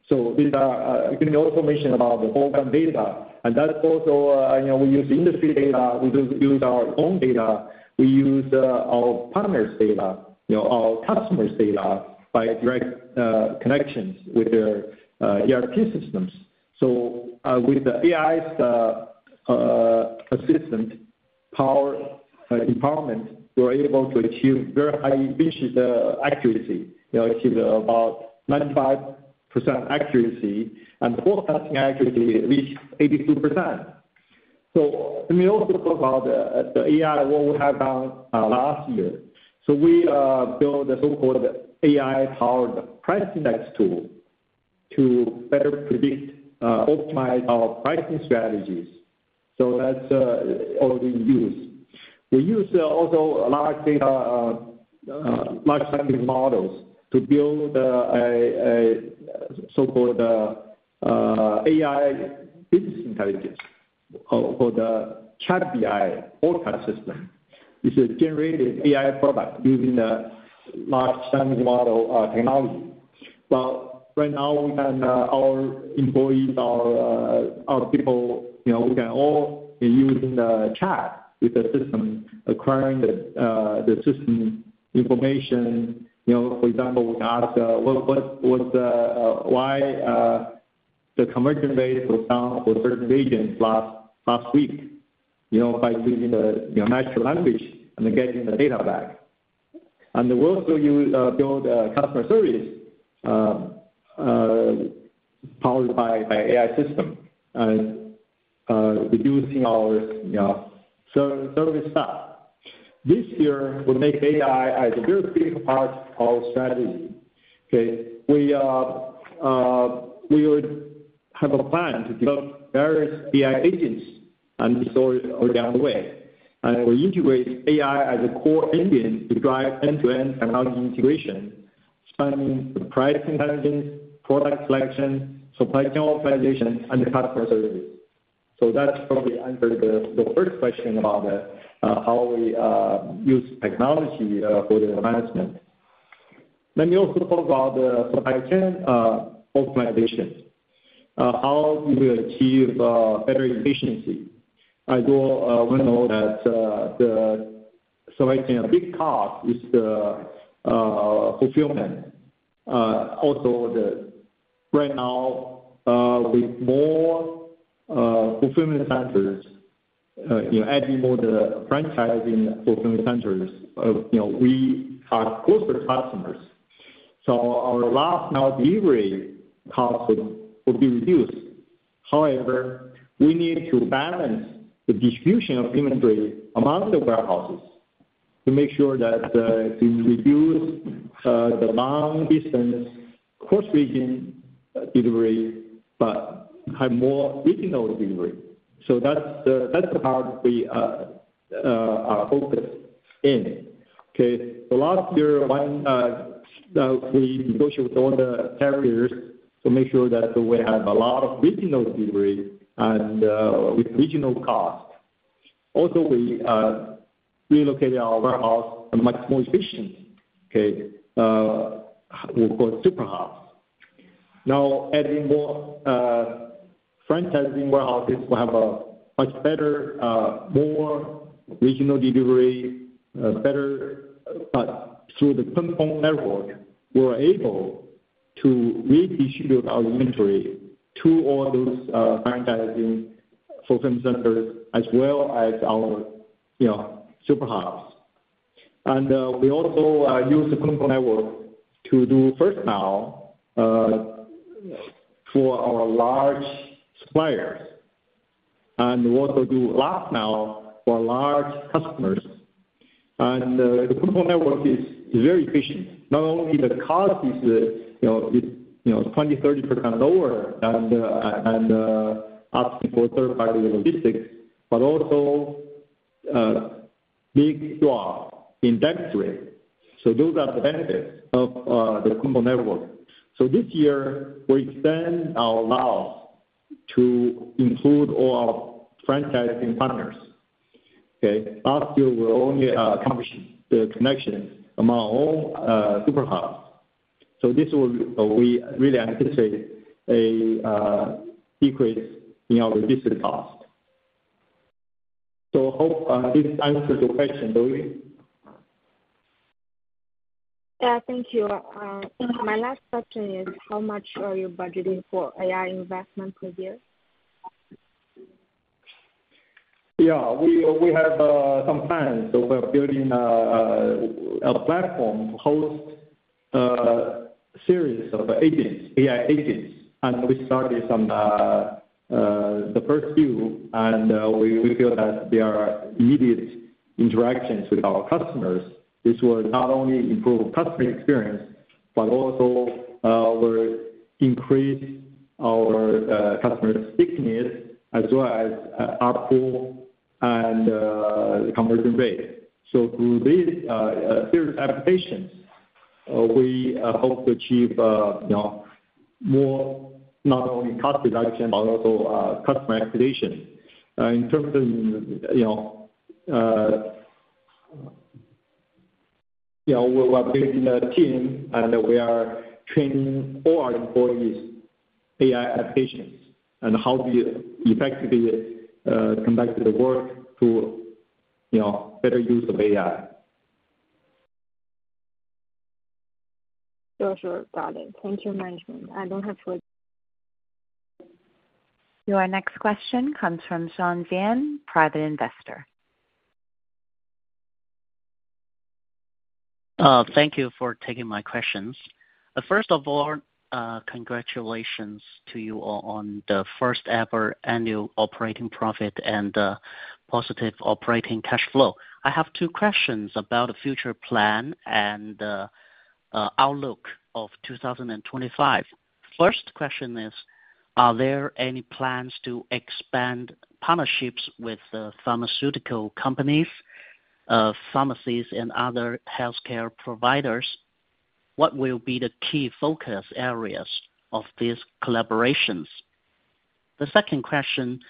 Gianluca also mentioned about the whole-time data. That is also we use industry data. We don't use our own data. We use our partners' data, our customers' data by direct connections with their ERP systems. With the AI assistant power empowerment, we're able to achieve very high efficiency accuracy. It's about 95% accuracy and for 4,000 accuracy, at least 82%. Let me also talk about the AI, what we have done last year. We built a so-called AI-powered price index tool to better predict, optimize our pricing strategies. That is already in use. We use also large data, large language models to build a so-called AI business intelligence for the Chart BI orchard system. This is a generated AI product using the large language model technology. Right now, our employees, our people, we can all use the chat with the system, acquiring the system information. For example, we can ask why the conversion rate was down for certain regions last week by using the natural language and getting the data back. We also built a customer service powered by AI system and reducing our service staff. This year, we'll make AI a very big part of our strategy. We have a plan to develop various AI agents and this already on the way. We integrate AI as a core engine to drive end-to-end technology integration, spanning the price intelligence, product selection, supply chain optimization, and the customer service. That probably answered the first question about how we use technology for the advancement. Let me also talk about the supply chain optimization. How do we achieve better efficiency? I do want to note that the supply chain, a big part is the fulfillment. Also, right now, with more fulfillment centers, adding more of the franchised fulfillment centers, we have closer customers. Our last-mile delivery costs will be reduced. However, we need to balance the distribution of inventory among the warehouses to make sure that we reduce the long-distance cross-region delivery but have more regional delivery. That is the part we are focused in. Last year, we negotiated with all the carriers to make sure that we have a lot of regional delivery and with regional costs. Also, we relocated our warehouse much more efficiently. We call it superhubs. Now, adding more franchised warehouses, we have a much better, more regional delivery, better through the Quintel Network. We're able to redistribute our inventory to all those franchised fulfillment centers as well as our superhubs. We also use the Quintel Network to do first-mile for our large suppliers and also do last-mile for large customers. The Quintel Network is very efficient. Not only is the cost 20%-30% lower than asking for third-party logistics, but also there is a big drop in debt rate. Those are the benefits of the Quintel Network. This year, we extend our last-mile to include all our franchised partners. Last year, we only accomplished the connection among all superhubs. This will really anticipate a decrease in our logistics cost. I hope this answers your question, Zoe. Thank you. My last question is, how much are you budgeting for AI investment per year? We have some plans. We're building a platform to host a series of AI agents. We started some of the first few, and we feel that there are immediate interactions with our customers. This will not only improve customer experience, but also will increase our customers' stickiness as well as output and conversion rate. Through these serious applications, we hope to achieve more, not only cost reduction, but also customer expectation. In terms of building a team, we are training all our employees on AI applications and how to effectively conduct the work through better use of AI. Sure, sure. Got it. Thank you, much. I don't have further questions. Your next question comes from Sean Yan, private investor. Thank you for taking my questions. First of all, congratulations to you all on the first-ever annual operating profit and positive operating cash flow. I have two questions about the future plan and outlook of 2025. First question is, are there any plans to expand partnerships with pharmaceutical companies, pharmacies, and other healthcare providers? What will be the key focus areas of these collaborations? The second question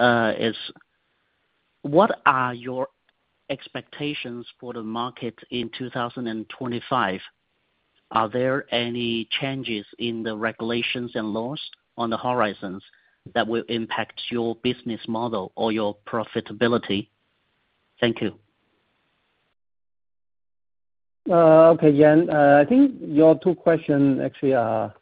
is, what are your expectations for the market in 2025? Are there any changes in the regulations and laws on the horizons that will impact your business model or your profitability? Thank you. Okay, Yan. I think your two questions actually are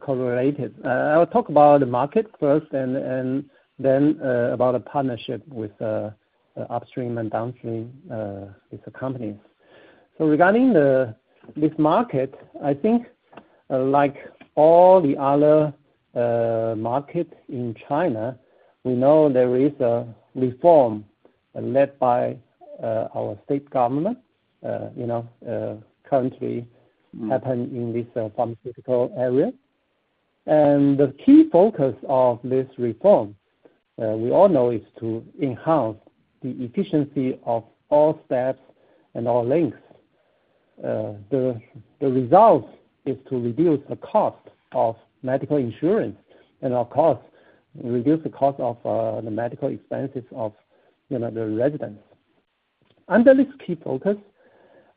correlated. I'll talk about the market first and then about the partnership with upstream and downstream companies. Regarding this market, I think like all the other markets in China, we know there is a reform led by our state government currently happening in this pharmaceutical area. The key focus of this reform, we all know, is to enhance the efficiency of all steps and all links. The result is to reduce the cost of medical insurance and, of course, reduce the cost of the medical expenses of the residents. Under this key focus,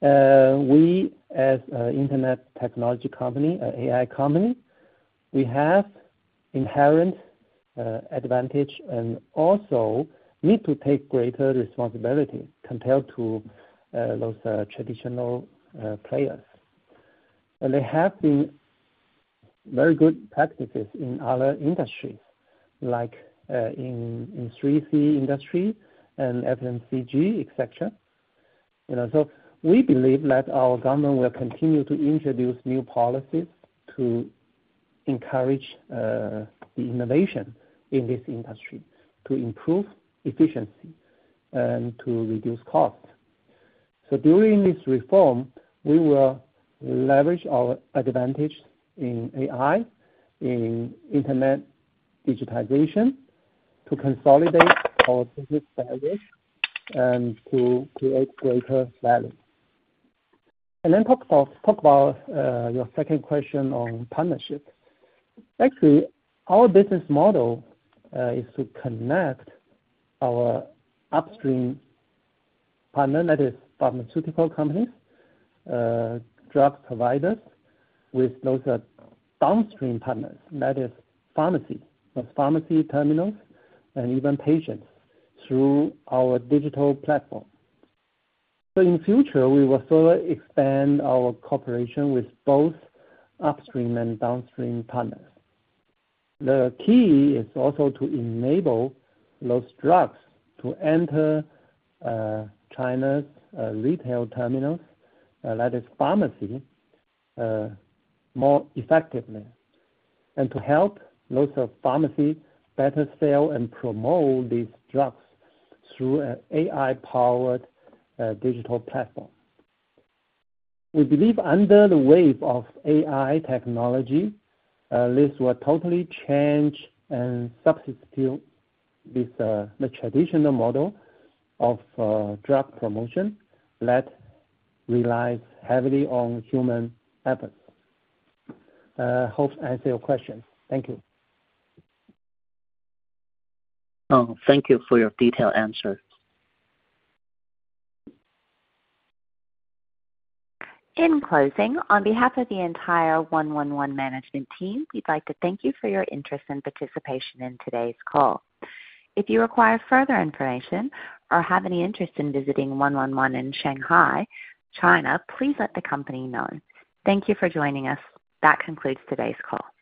we, as an internet technology company, an AI company, we have inherent advantage and also need to take greater responsibility compared to those traditional players. There have been very good practices in other industries, like in 3C industry and FMCG, etc. We believe that our government will continue to introduce new policies to encourage the innovation in this industry, to improve efficiency, and to reduce costs. During this reform, we will leverage our advantage in AI, in internet digitization, to consolidate our business values and to create greater value. Then talk about your second question on partnership. Actually, our business model is to connect our upstream partner, that is pharmaceutical companies, drug providers, with those downstream partners, that is pharmacy, those pharmacy terminals, and even patients through our digital platform. In the future, we will further expand our cooperation with both upstream and downstream partners. The key is also to enable those drugs to enter China's retail terminals, that is pharmacy, more effectively and to help those pharmacies better sell and promote these drugs through an AI-powered digital platform. We believe under the wave of AI technology, this will totally change and substitute the traditional model of drug promotion that relies heavily on human efforts. Hope answered your question. Thank you. Thank you for your detailed answers. In closing, on behalf of the entire 111 Management Team, we'd like to thank you for your interest and participation in today's call. If you require further information or have any interest in visiting 111 in Shanghai, China, please let the company know. Thank you for joining us. That concludes today's call.